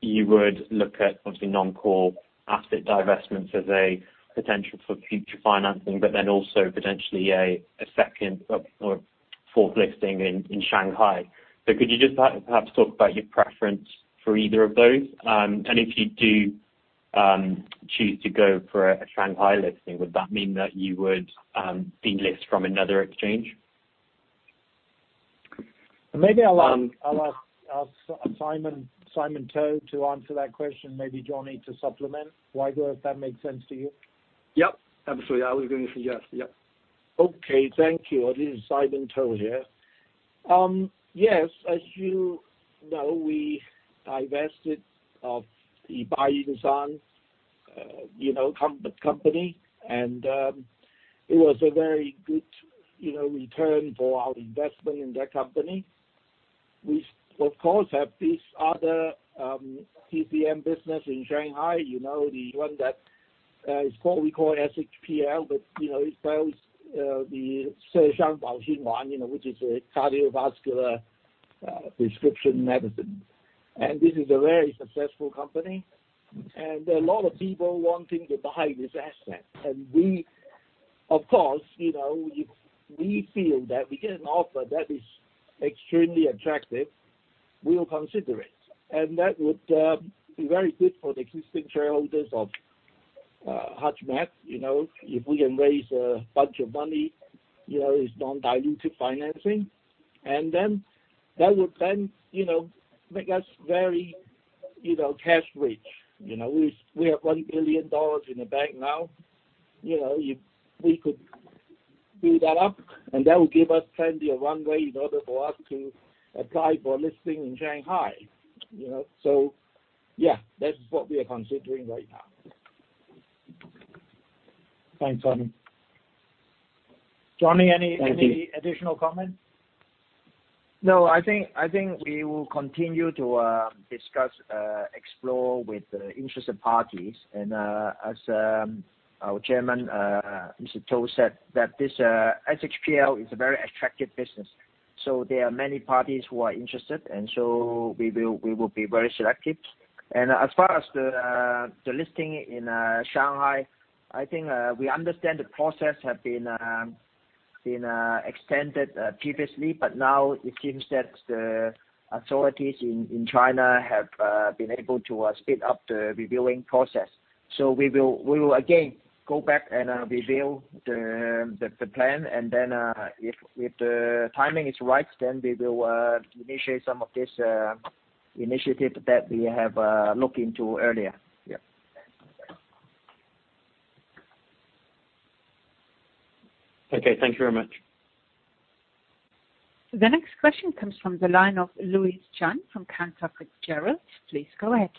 you would look at obviously non-core asset divestments as a potential for future financing, but then also potentially a second or fourth listing in Shanghai. Could you just perhaps talk about your preference for either of those? And if you do choose to go for a Shanghai listing, would that mean that you would delist from another exchange? Maybe I'll ask. Um, I'll ask Simon To to answer that question, maybe Johnny to supplement. Weiguo Su, if that makes sense to you. Yep. Absolutely. I was going to say yes. Yep. Okay. Thank you. This is Simon To here. Yes, as you know, we divested of the Guangzhou Baiyunshan Pharmaceutical, you know, company, and it was a very good, you know, return for our investment in that company. We of course have this other TPN business in Shanghai, you know, the one that is called, we call SHPL, but you know, it sells the She Xiang Bao Xin Wan, you know, which is a cardiovascular prescription medicine. This is a very successful company. A lot of people wanting to buy this asset. We of course, you know, if we feel that we get an offer that is extremely attractive, we'll consider it. That would be very good for the existing shareholders of HUTCHMED. You know, if we can raise a bunch of money, you know, it's non-dilutive financing. That would, you know, make us very, you know, cash rich. You know, we have $1 billion in the bank now. You know, if we could build that up, and that will give us plenty of runway in order for us to apply for a listing in Shanghai, you know. Yeah, that's what we are considering right now. Thanks, Simon. Johnny Thank you. Any additional comments? No. I think we will continue to discuss explore with interested parties. As our chairman, Mr. To said that this SHPL is a very attractive business. There are many parties who are interested, and we will be very selective. As far as the listing in Shanghai, I think we understand the process have been extended previously, but now it seems that the authorities in China have been able to speed up the reviewing process. We will again go back and reveal the plan, and then if the timing is right, we will initiate some of this initiative that we have looked into earlier. Yeah. Okay. Thank you very much. The next question comes from the line of Louise Chen from Canaccord Genuity. Please go ahead.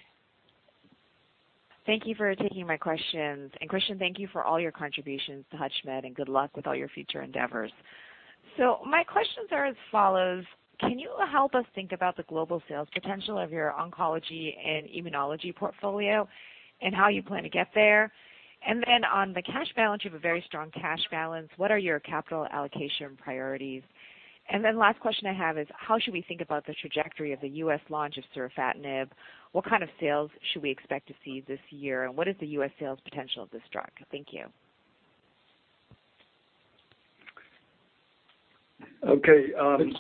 Thank you for taking my questions. Christian, thank you for all your contributions to HUTCHMED, and good luck with all your future endeavors. My questions are as follows: Can you help us think about the global sales potential of your oncology and immunology portfolio, and how you plan to get there? On the cash balance, you have a very strong cash balance. What are your capital allocation priorities? Last question I have is, how should we think about the trajectory of the U.S. launch of savolitinib? What kind of sales should we expect to see this year, and what is the U.S. sales potential of this drug? Thank you. Okay.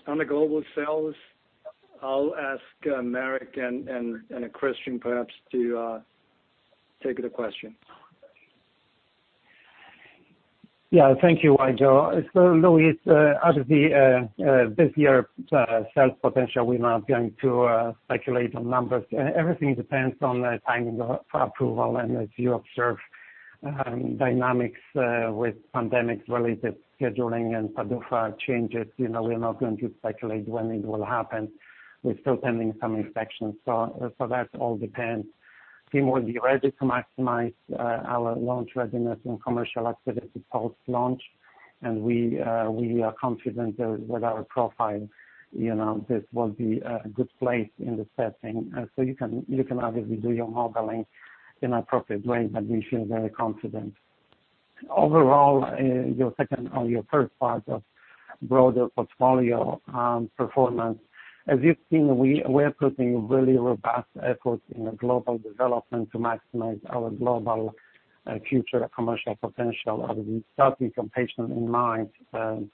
On the global sales, I'll ask Marek and Christian perhaps to take the question. Yeah. Thank you, Weiguo. Louise, obviously, this year's sales potential, we're not going to speculate on numbers. Everything depends on the timing of approval, and as you observe, dynamics with pandemic-related scheduling and PDUFA changes, you know, we are not going to speculate when it will happen. We're still pending some inspections. That all depends. Team will be ready to maximize our launch readiness and commercial activities post-launch. We are confident that with our profile, you know, this will be a good place in the setting. You can obviously do your modeling in appropriate ways, but we feel very confident. Overall, your second or your first part of broader portfolio performance, as you've seen, we're putting really robust efforts in the global development to maximize our global future commercial potential. Obviously, starting from patient in mind,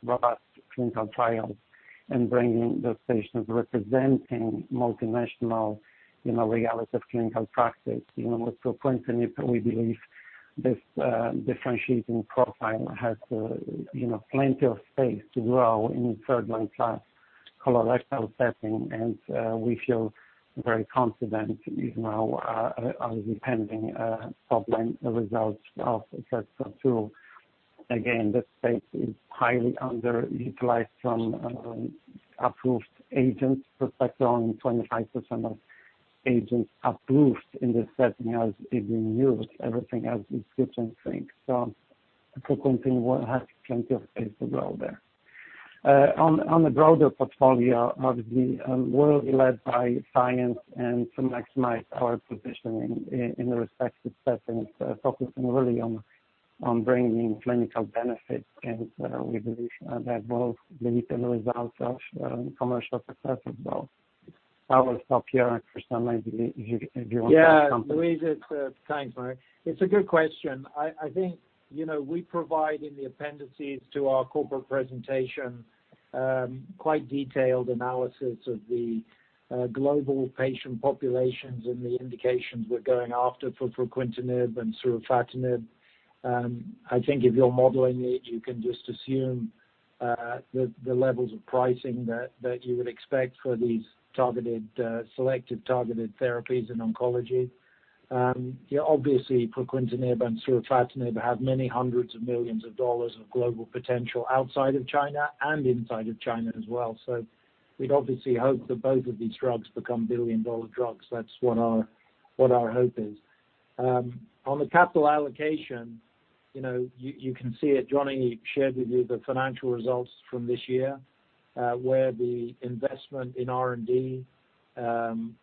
robust clinical trials and bringing those patients representing multinational, you know, realities of clinical practice. You know, with fruquintinib, we believe this differentiating profile has you know plenty of space to grow in third-line class colorectal setting. We feel very confident even now on the pending top-line results of FRESCO-2. Again, this space is highly underutilized from approved agents perspective. Only 25% of agents approved in this setting is being used. Everything else is different things. Fruquintinib will have plenty of space to grow there. On the broader portfolio, obviously, we're led by science and to maximize our positioning in the respective settings, focusing really on bringing clinical benefits. We believe that will lead to the results of commercial success as well. I will stop here, and Christian maybe if you want to add something. Yeah. Louise, it's thanks, Marek. It's a good question. I think, you know, we provide in the appendices to our corporate presentation quite detailed analysis of the global patient populations and the indications we're going after for fruquintinib and surufatinib. I think if you're modeling it, you can just assume the levels of pricing that you would expect for these targeted selective targeted therapies in oncology. Yeah, obviously fruquintinib and surufatinib have many hundreds of millions of dollars of global potential outside of China and inside of China as well. So we'd obviously hope that both of these drugs become billion-dollar drugs. That's what our hope is. On the capital allocation, you know, you can see it. Johnny shared with you the financial results from this year, where the investment in R&D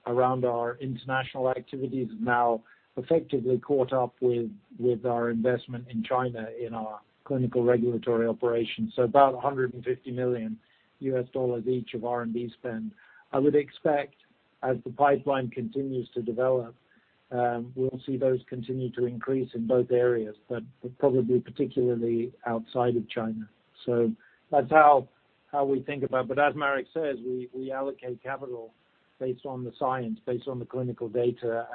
around our international activities has now effectively caught up with our investment in China in our clinical regulatory operations, so about $150 million each of R&D spend. I would expect as the pipeline continues to develop, we'll see those continue to increase in both areas, but probably particularly outside of China. That's how we think about. But as Marek says, we allocate capital based on the science, based on the clinical data.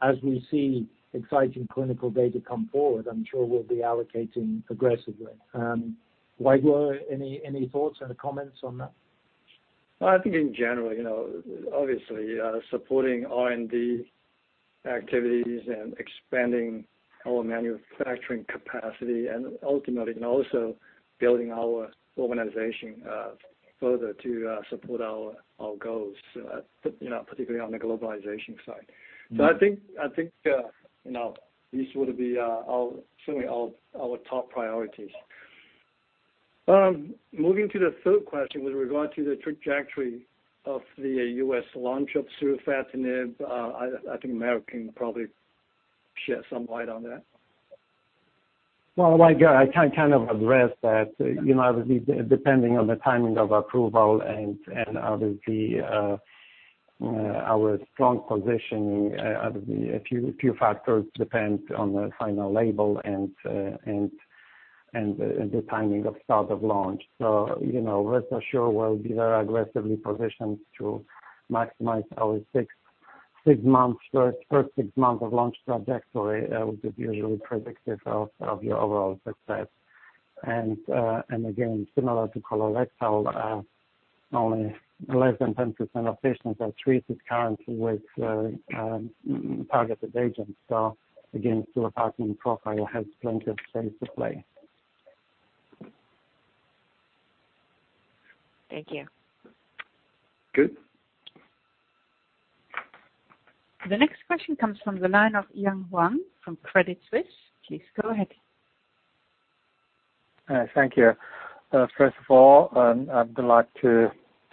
As we see exciting clinical data come forward, I'm sure we'll be allocating aggressively. Weiguo, any thoughts or comments on that? I think in general, you know, obviously, supporting R&D activities and expanding our manufacturing capacity and ultimately and also building our organization further to support our goals, you know, particularly on the globalization side. I think you know these would be certainly our top priorities. Moving to the third question with regard to the trajectory of the U.S. launch of savolitinib, I think Marek can probably shed some light on that. Well, Weiguo, I can kind of address that. You know, obviously, depending on the timing of approval and obviously our strong positioning, obviously a few factors depend on the final label and the timing of start of launch. You know, rest assured we'll be very aggressively positioned to maximize our first six months of launch trajectory, which is usually predictive of your overall success. Again, similar to colorectal, only less than 10% of patients are treated currently with targeted agents. Again, surufatinib profile has plenty of space to play. Thank you. Good. The next question comes from the line of Yang Huang from Credit Suisse. Please go ahead. Thank you. First of all, I'd like to,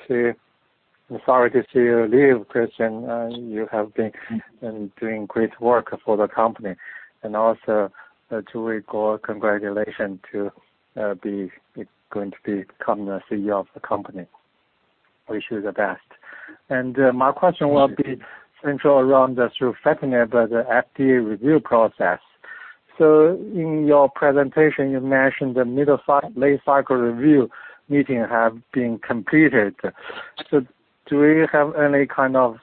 I'm sorry to see you leave, Christian. You have been doing great work for the company. Also to Weiguo, congratulations to be going to become the CEO of the company. Wish you the best. My question will be centered around fruquintinib, the FDA review process. In your presentation, you mentioned the mid-cycle review meeting have been completed. Do we have any kind of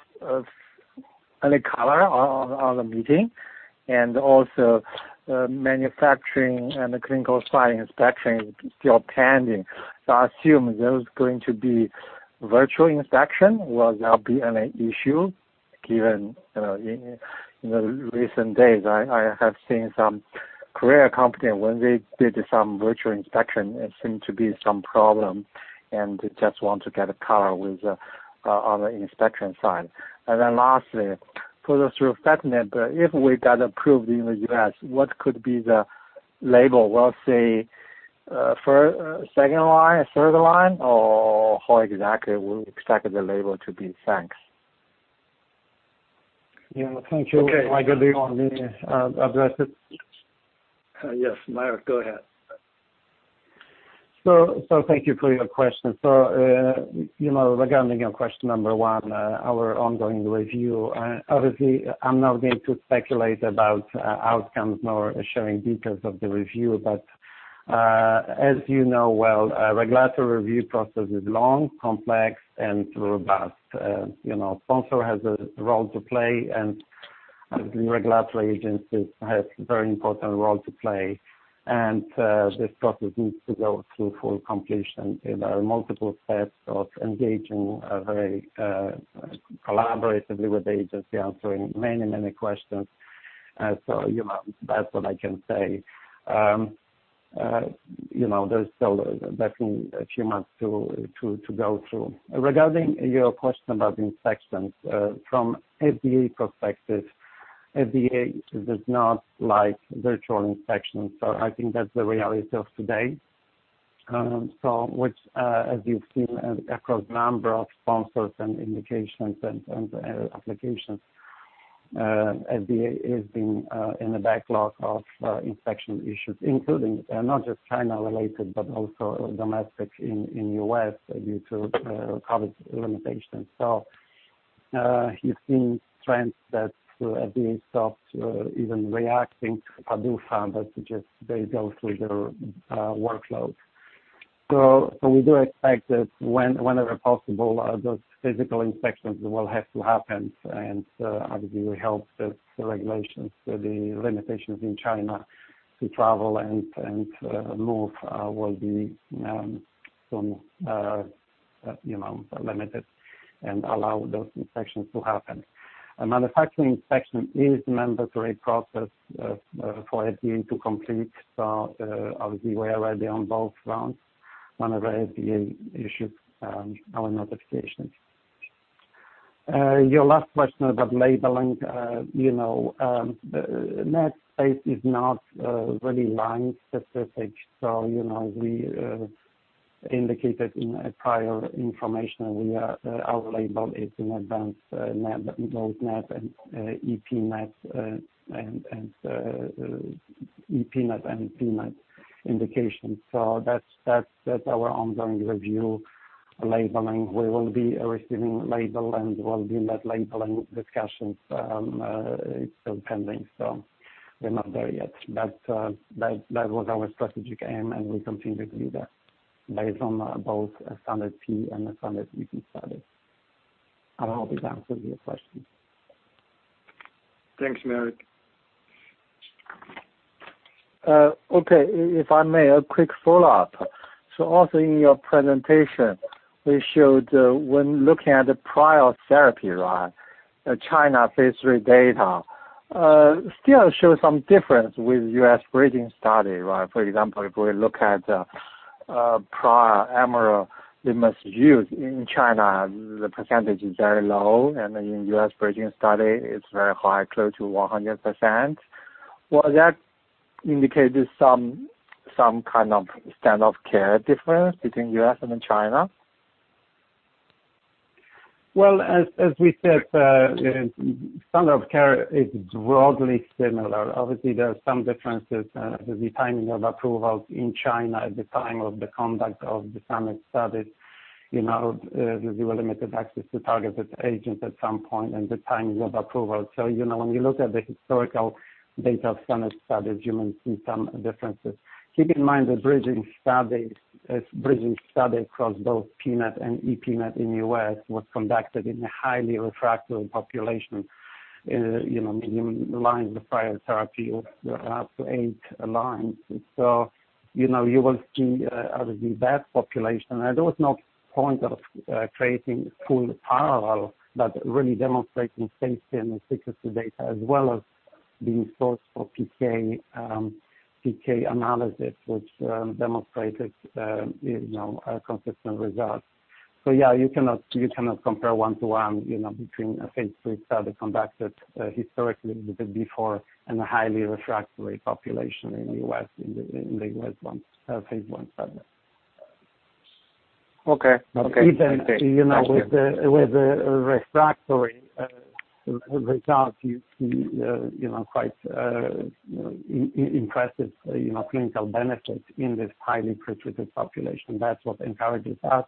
any color on the meeting? Also, manufacturing and the clinical site inspection is still pending. I assume there's going to be virtual inspection. Will there be any issue given recent days, I have seen some Chinese company, when they did some virtual inspection, it seemed to be some problem, and they just want to get a color on the inspection side. Then lastly, for the fruquintinib, if we got approved in the U.S., what could be the label? Will it say second line, third line, or how exactly we expect the label to be? Thanks. Yeah, thank you. Marek, do you want me to address it? Yes. Marek, go ahead. Thank you for your question. You know, regarding your question number one, our ongoing review, obviously I'm not going to speculate about outcomes nor sharing details of the review, but, as you know well, regulatory review process is long, complex and robust. You know, sponsor has a role to play and the regulatory agencies has very important role to play. This process needs to go through full completion. There are multiple steps of engaging very collaboratively with the agency, answering many, many questions. You know, that's what I can say. You know, there's still definitely a few months to go through. Regarding your question about inspections, from FDA perspective, FDA does not like virtual inspections. I think that's the reality of today. Which, as you've seen across a number of sponsors and indications and applications, the FDA is in a backlog of inspection issues, including and not just China-related, but also domestic in the U.S. due to COVID limitations. You've seen trends that the FDA stopped even rejecting or doing that. They just go through their workload. We do expect that whenever possible, those physical inspections will have to happen. Obviously, we hope that the regulations, the limitations in China to travel and move, will be somewhat, you know, limited and allow those inspections to happen. A manufacturing inspection is a mandatory process for the FDA to complete. Obviously, we're ready on both fronts whenever the FDA issues our notifications. Your last question about labeling, you know, the NET space is not really line specific. You know, we indicated in a prior information we are our label is in advance NET, both NET and epNET and pNET indications. That's our ongoing review labeling. We will be receiving label and we'll be in that labeling discussions, it's still pending, so we're not there yet. That was our strategic aim, and we continue to do that based on both a standard pNET and a standard epNET study. I hope it answers your questions. Thanks, Marek. If I may, a quick follow-up. Also in your presentation, we showed, when looking at the prior therapy, right, the China phase III data still shows some difference with U.S. bridging study, right? For example, if we look at prior everolimus, the use in China, the percentage is very low, and in U.S. bridging study it's very high, close to 100%. Will that indicate there's some kind of standard of care difference between U.S. and China? Well, as we said, standard of care is broadly similar. Obviously, there are some differences. The timing of approvals in China at the time of the conduct of the SANET studies, you know, there will be limited access to targeted agents at some point and the timings of approval. You know, when you look at the historical data of SANET studies, you will see some differences. Keep in mind, the bridging study across both pNET and epNET in U.S. was conducted in a highly refractory population, you know, lines of prior therapy of up to eight lines. You know, you will see obviously that population. There was no point of creating full parallel, but really demonstrating safety and efficacy data as well as being source for PK analysis which, you know, consistent results. Yeah, you cannot compare one to one, you know, between a phase III study conducted historically before and a highly refractory population in the U.S., one phase I study. Okay. Even, you know, with the refractory results you see, you know, quite impressive clinical benefit in this highly pretreated population. That's what encourages us.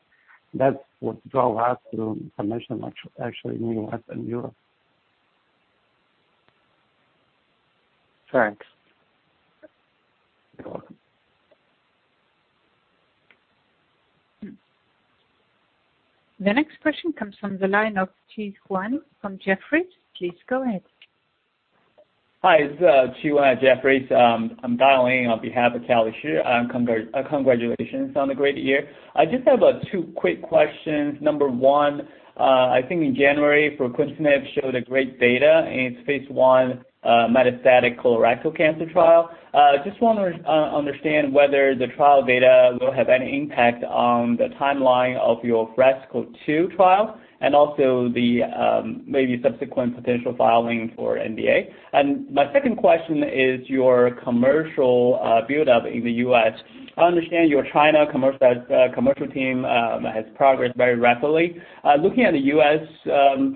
That's what drove us to submission, actually, in U.S. and Europe. Thanks. You're welcome. The next question comes from the line of Kelly Shi from Jefferies. Please go ahead. Hi, This is Ziyi Chen at Jefferies. I'm dialing on behalf of Kelly Shi. Congratulations on the great year. I just have two quick questions. Number one, I think in January, fruquintinib showed great data in its phase I metastatic colorectal cancer trial. Just wanna understand whether the trial data will have any impact on the timeline of your FRESCO-2 trial and also the maybe subsequent potential filing for NDA. My second question is your commercial buildup in the U.S. I understand your China commercial team has progressed very rapidly. Looking at the U.S.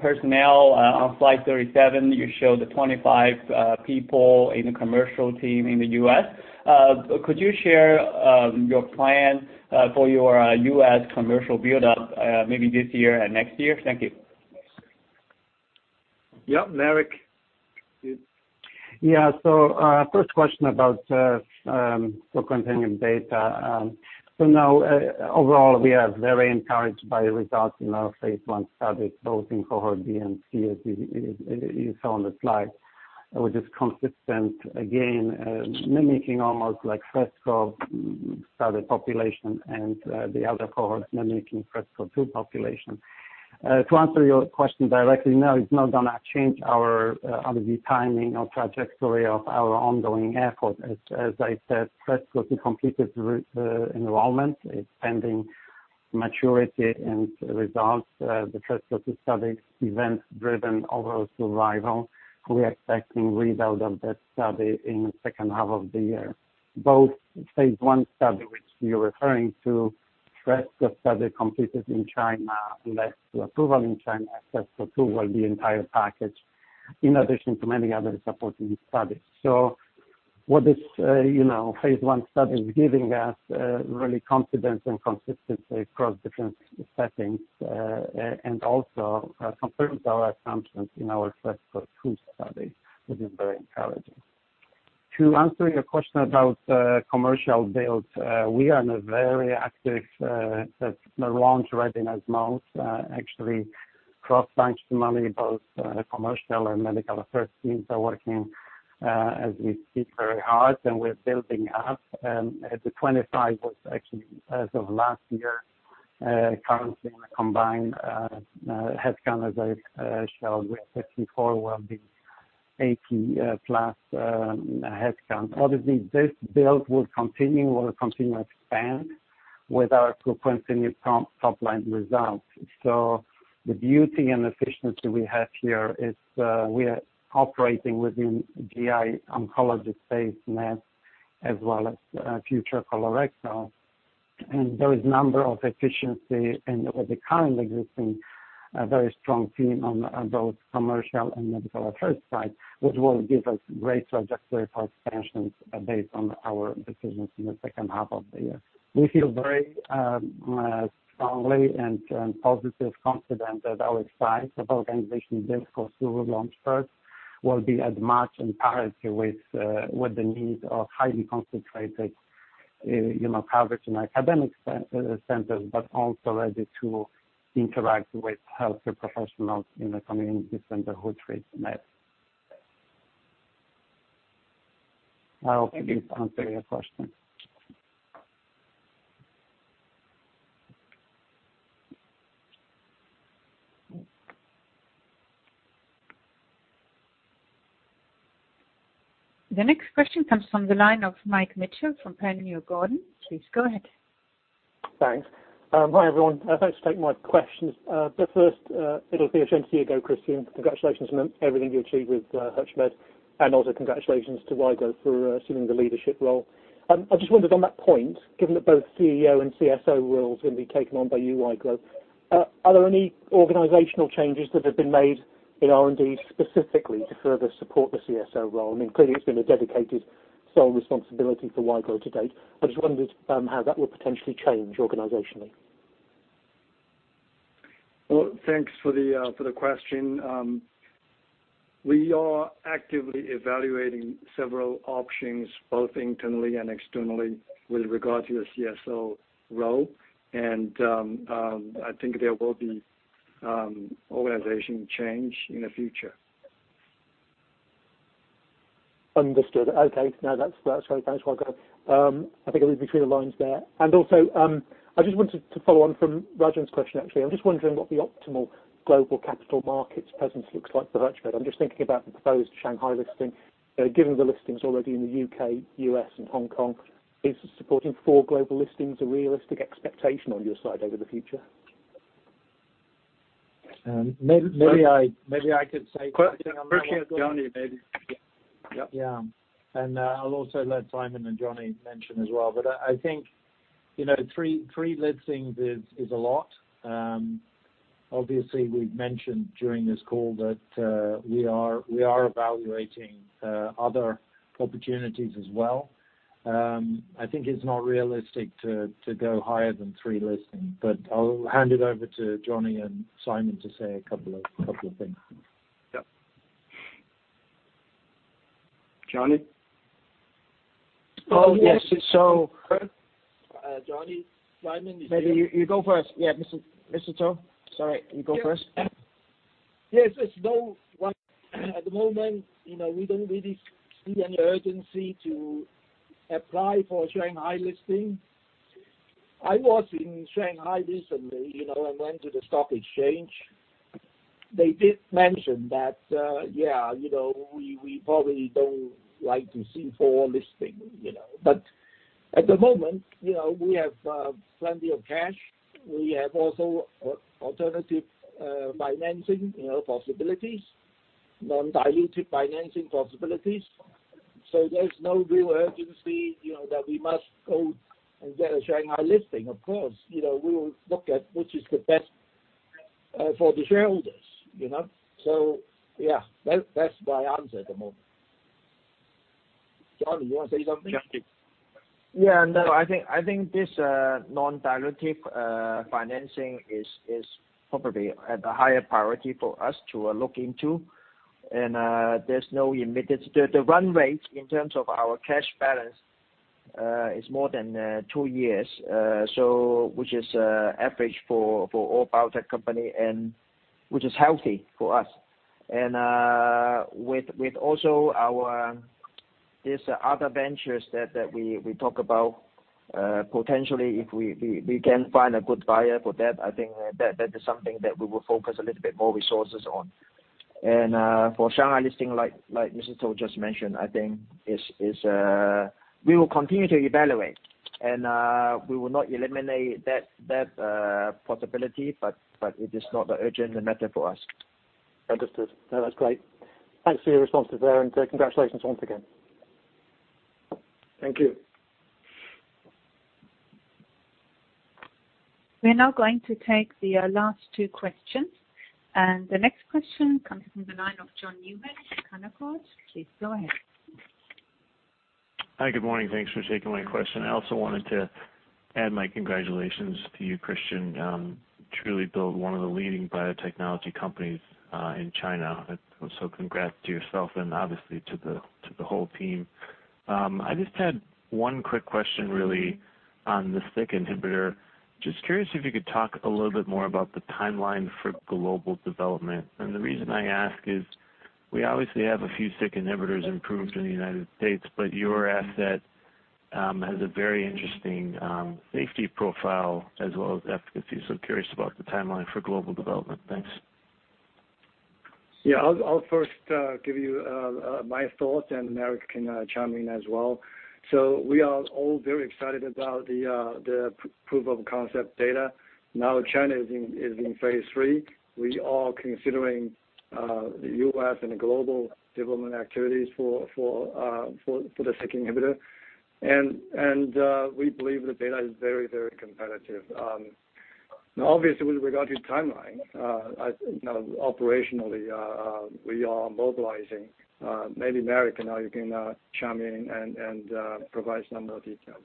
personnel on slide 37, you showed the 25 people in the commercial team in the U.S. Could you share your plan for your U.S. commercial buildup, maybe this year and next year? Thank you. Yeah, Marek. Yeah. First question about fruquintinib data. Overall, we are very encouraged by results in our phase I study, both in cohort B and C, as you saw on the slide, which is consistent, again, mimicking almost like FRESCO study population and the other cohort mimicking FRESCO-2 population. To answer your question directly, no, it's not gonna change our timing or trajectory of our ongoing effort, obviously. As I said, FRESCO-2 completed enrollment. It's pending maturity and results. The FRESCO-2 study is event-driven overall survival. We're expecting read out of that study in the second half of the year. Both phase I study, which you're referring to, FRESCO study completed in China led to approval in China. FRESCO-2 will be entire package, in addition to many other supporting studies. What this, you know, phase I study is giving us really confidence and consistency across different settings and also confirms our assumptions in our FRESCO-2 study, which is very encouraging. To answer your question about commercial build, we are in a very active launch readiness mode. Actually, cross-functionally, both commercial and medical affairs teams are working as we speak very hard, and we're building up. The 25 was actually as of last year. Currently we combined headcount, as I showed. We are 54, will be 80 plus headcount. Obviously, this build will continue. We'll continue to expand with our fruquintinib top-line results. The beauty and efficiency we have here is we are operating within GI oncology space, NET, as well as future colorectal. There is number of efficiency and with the current existing, very strong team on both commercial and medical affairs side, which will give us great trajectory for expansions based on our decisions in the second half of the year. We feel very, strongly and positive confident that our size of organization build for future launch phase will be as much in parity with the needs of highly concentrated, you know, coverage in academic centers, but also ready to interact with healthcare professionals in the communities and the outreach NET. I hope this answer your question. The next question comes from the line of Mike Mitchelson from Panmure Gordon. Please go ahead. Thanks. Hi, everyone. Thanks for taking my questions. First, it'll be a chance for you to go, Christian. Congratulations on everything you achieved with HUTCHMED, and also congratulations to Weiguo for assuming the leadership role. I just wondered on that point, given that both CEO and CSO roles are gonna be taken on by you, Weiguo, are there any organizational changes that have been made in R&D specifically to further support the CSO role? I mean, clearly it's been a dedicated sole responsibility for Weiguo to date. I just wondered, how that will potentially change organizationally. Well, thanks for the question. We are actively evaluating several options, both internally and externally with regards to the CSO role. I think there will be organization change in the future. Understood. Okay. No, that's great. Thanks, Weiguo. I think I read between the lines there. I just wanted to follow on from Rajan's question, actually. I'm just wondering what the optimal global capital markets presence looks like for HUTCHMED. I'm just thinking about the proposed Shanghai listing. Given the listings already in the U.K., U.S., and Hong Kong, is supporting four global listings a realistic expectation on your side over the future? Maybe I could say. Quick. Christian, Johnny maybe. Yeah. I'll also let Simon and Johnny mention as well. I think you know, three listings is a lot. Obviously, we've mentioned during this call that we are evaluating other opportunities as well. I think it's not realistic to go higher than three listings. I'll hand it over to Johnny and Simon to say a couple of things. Yeah. Johnny? Oh, yes. Johnny, Simon is Maybe you go first. Yeah. Mr. To, sorry. You go first. Yes. At the moment, you know, we don't really see any urgency to apply for Shanghai listing. I was in Shanghai recently, you know, and went to the stock exchange. They did mention that, yeah, you know, we probably don't like to see four listing, you know. At the moment, you know, we have plenty of cash. We have also alternative financing, you know, possibilities, non-dilutive financing possibilities. There's no real urgency, you know, that we must go and get a Shanghai listing. Of course, you know, we'll look at which is the best for the shareholders, you know. Yeah. That's my answer at the moment. Johnny, you wanna say something? No, I think this non-dilutive financing is probably at a higher priority for us to look into. The run rate in terms of our cash balance is more than two years, so which is average for all biotech company and which is healthy for us. With also these other ventures that we talk about potentially if we can find a good buyer for that, I think that is something that we will focus a little bit more resources on. For Shanghai listing like Mr. To just mentioned, I think we will continue to evaluate and we will not eliminate that possibility, but it is not an urgent matter for us. Understood. No, that's great. Thanks for your responses there, and congratulations once again. Thank you. We're now going to take the last two questions, and the next question comes from the line of John Newman from Canaccord. Please go ahead. Hi, good morning. Thanks for taking my question. I also wanted to add my congratulations to you, Christian, truly built one of the leading biotechnology companies in China. So congrats to yourself and obviously to the whole team. I just had one quick question really on the SYK inhibitor. Just curious if you could talk a little bit more about the timeline for global development. The reason I ask is we obviously have a few SYK inhibitors approved in the United States, but your asset has a very interesting safety profile as well as efficacy. So I'm curious about the timeline for global development. Thanks. Yeah. I'll first give you my thoughts and Marek can chime in as well. We are all very excited about the proof of concept data. China is in phase III. We are considering the U.S. and global development activities for the SYK inhibitor. We believe the data is very competitive. Now obviously with regard to timeline, I think, you know, operationally, we are mobilizing. Maybe Marek, now you can chime in and provide some more details.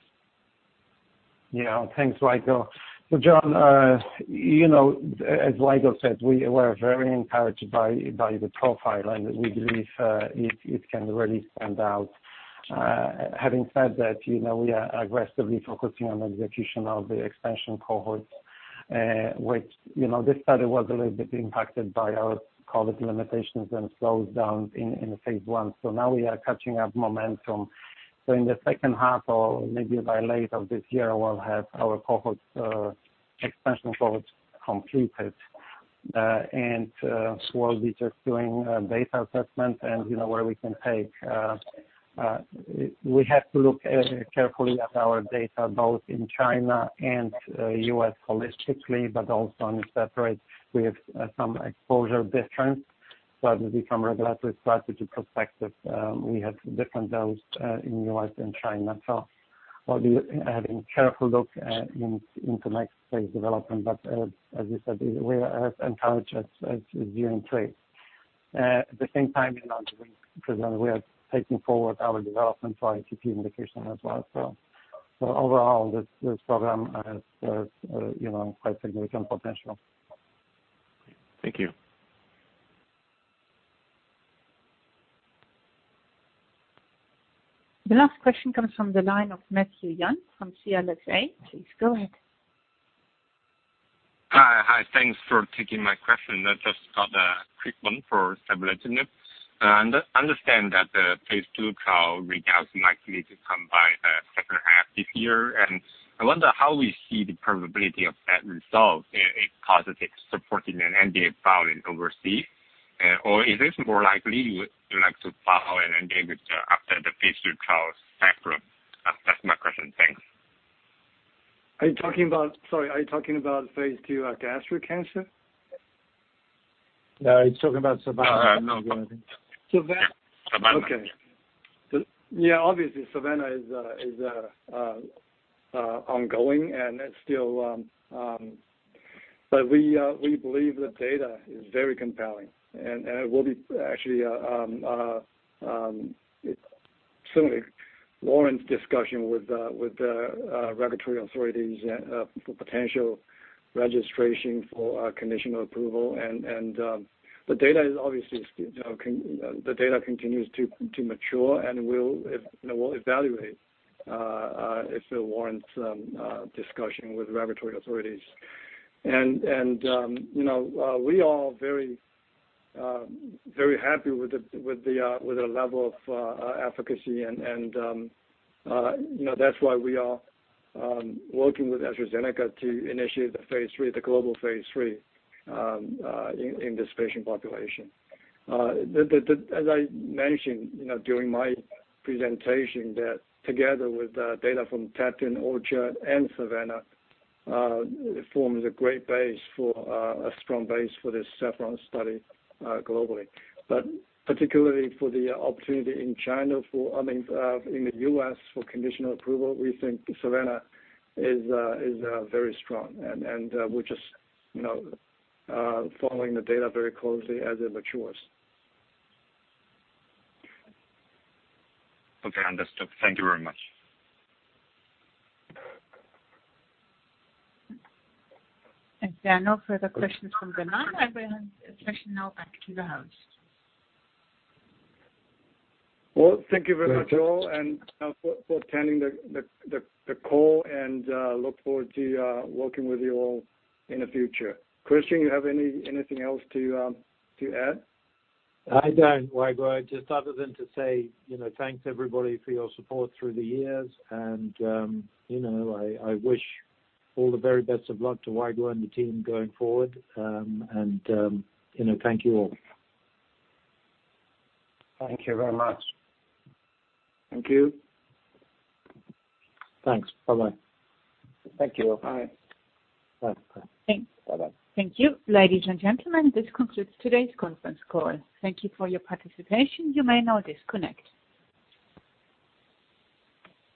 Yeah. Thanks, Weiguo Su. John, you know, as Weiguo Su said, we were very encouraged by the profile, and we believe it can really stand out. Having said that, you know, we are aggressively focusing on execution of the expansion cohorts, which, you know, this study was a little bit impacted by our COVID limitations and slowdown in phase I. Now we are catching up momentum. In the second half or maybe by later this year, we'll have our expansion cohorts completed. And we'll be doing data assessment and where we can take it. We have to look carefully at our data both in China and U.S. holistically, but also separately with some exposure difference. From a regulatory strategy perspective, we have different doses in the U.S. and China. We'll be having a careful look in the next phase development. As you said, we are as encouraged as you are in the trade. At the same time, you know, at present we are taking forward our development for ITP indication as well. Overall, this program has you know, quite significant potential. Thank you. The last question comes from the line of Matthew Yan from CLSA. Please go ahead. Hi. Thanks for taking my question. I just got a quick one for savolitinib. Understand that the phase II trial readouts might need to come by second half this year. I wonder how we see the probability of that result if positive supporting an NDA filing overseas. Or is this more likely you would like to file an NDA after the phase II trial readout? That's my question. Thanks. Sorry, are you talking about phase II gastric cancer? No, he's talking about SAVANNAH. No, no. Savannah. Savannah. Okay. Yeah, obviously, SAVANNAH is ongoing and it's still. We believe the data is very compelling and it will be actually it certainly warrants discussion with the regulatory authorities for potential registration for conditional approval. You know, we are very happy with the level of efficacy and you know, that's why we are working with AstraZeneca to initiate the phase III, the global phase III in this patient population. As I mentioned, you know, during my presentation that together with the data from TATTON, ORCHARD and SAVANNAH forms a great base for a strong base for this SAPPHIRE studyglobally. Particularly for the opportunity in the U.S. for conditional approval, I mean, we think SAVANNAH is very strong and we're just, you know, following the data very closely as it matures. Okay, understood. Thank you very much. If there are no further questions from Bernard, I will hand the session now back to the host. Well, thank you very much, all, and for attending the call and look forward to working with you all in the future. Christian, you have anything else to add? I don't, Weiguo, just other than to say, you know, thanks everybody for your support through the years and, you know, I wish all the very best of luck to Weiguo and the team going forward. You know, thank you all. Thank you very much. Thank you. Thanks. Bye-bye Thank you. Ladies and gentlemen, this concludes today's conference call. Thank you for your participation. You may now disconnect.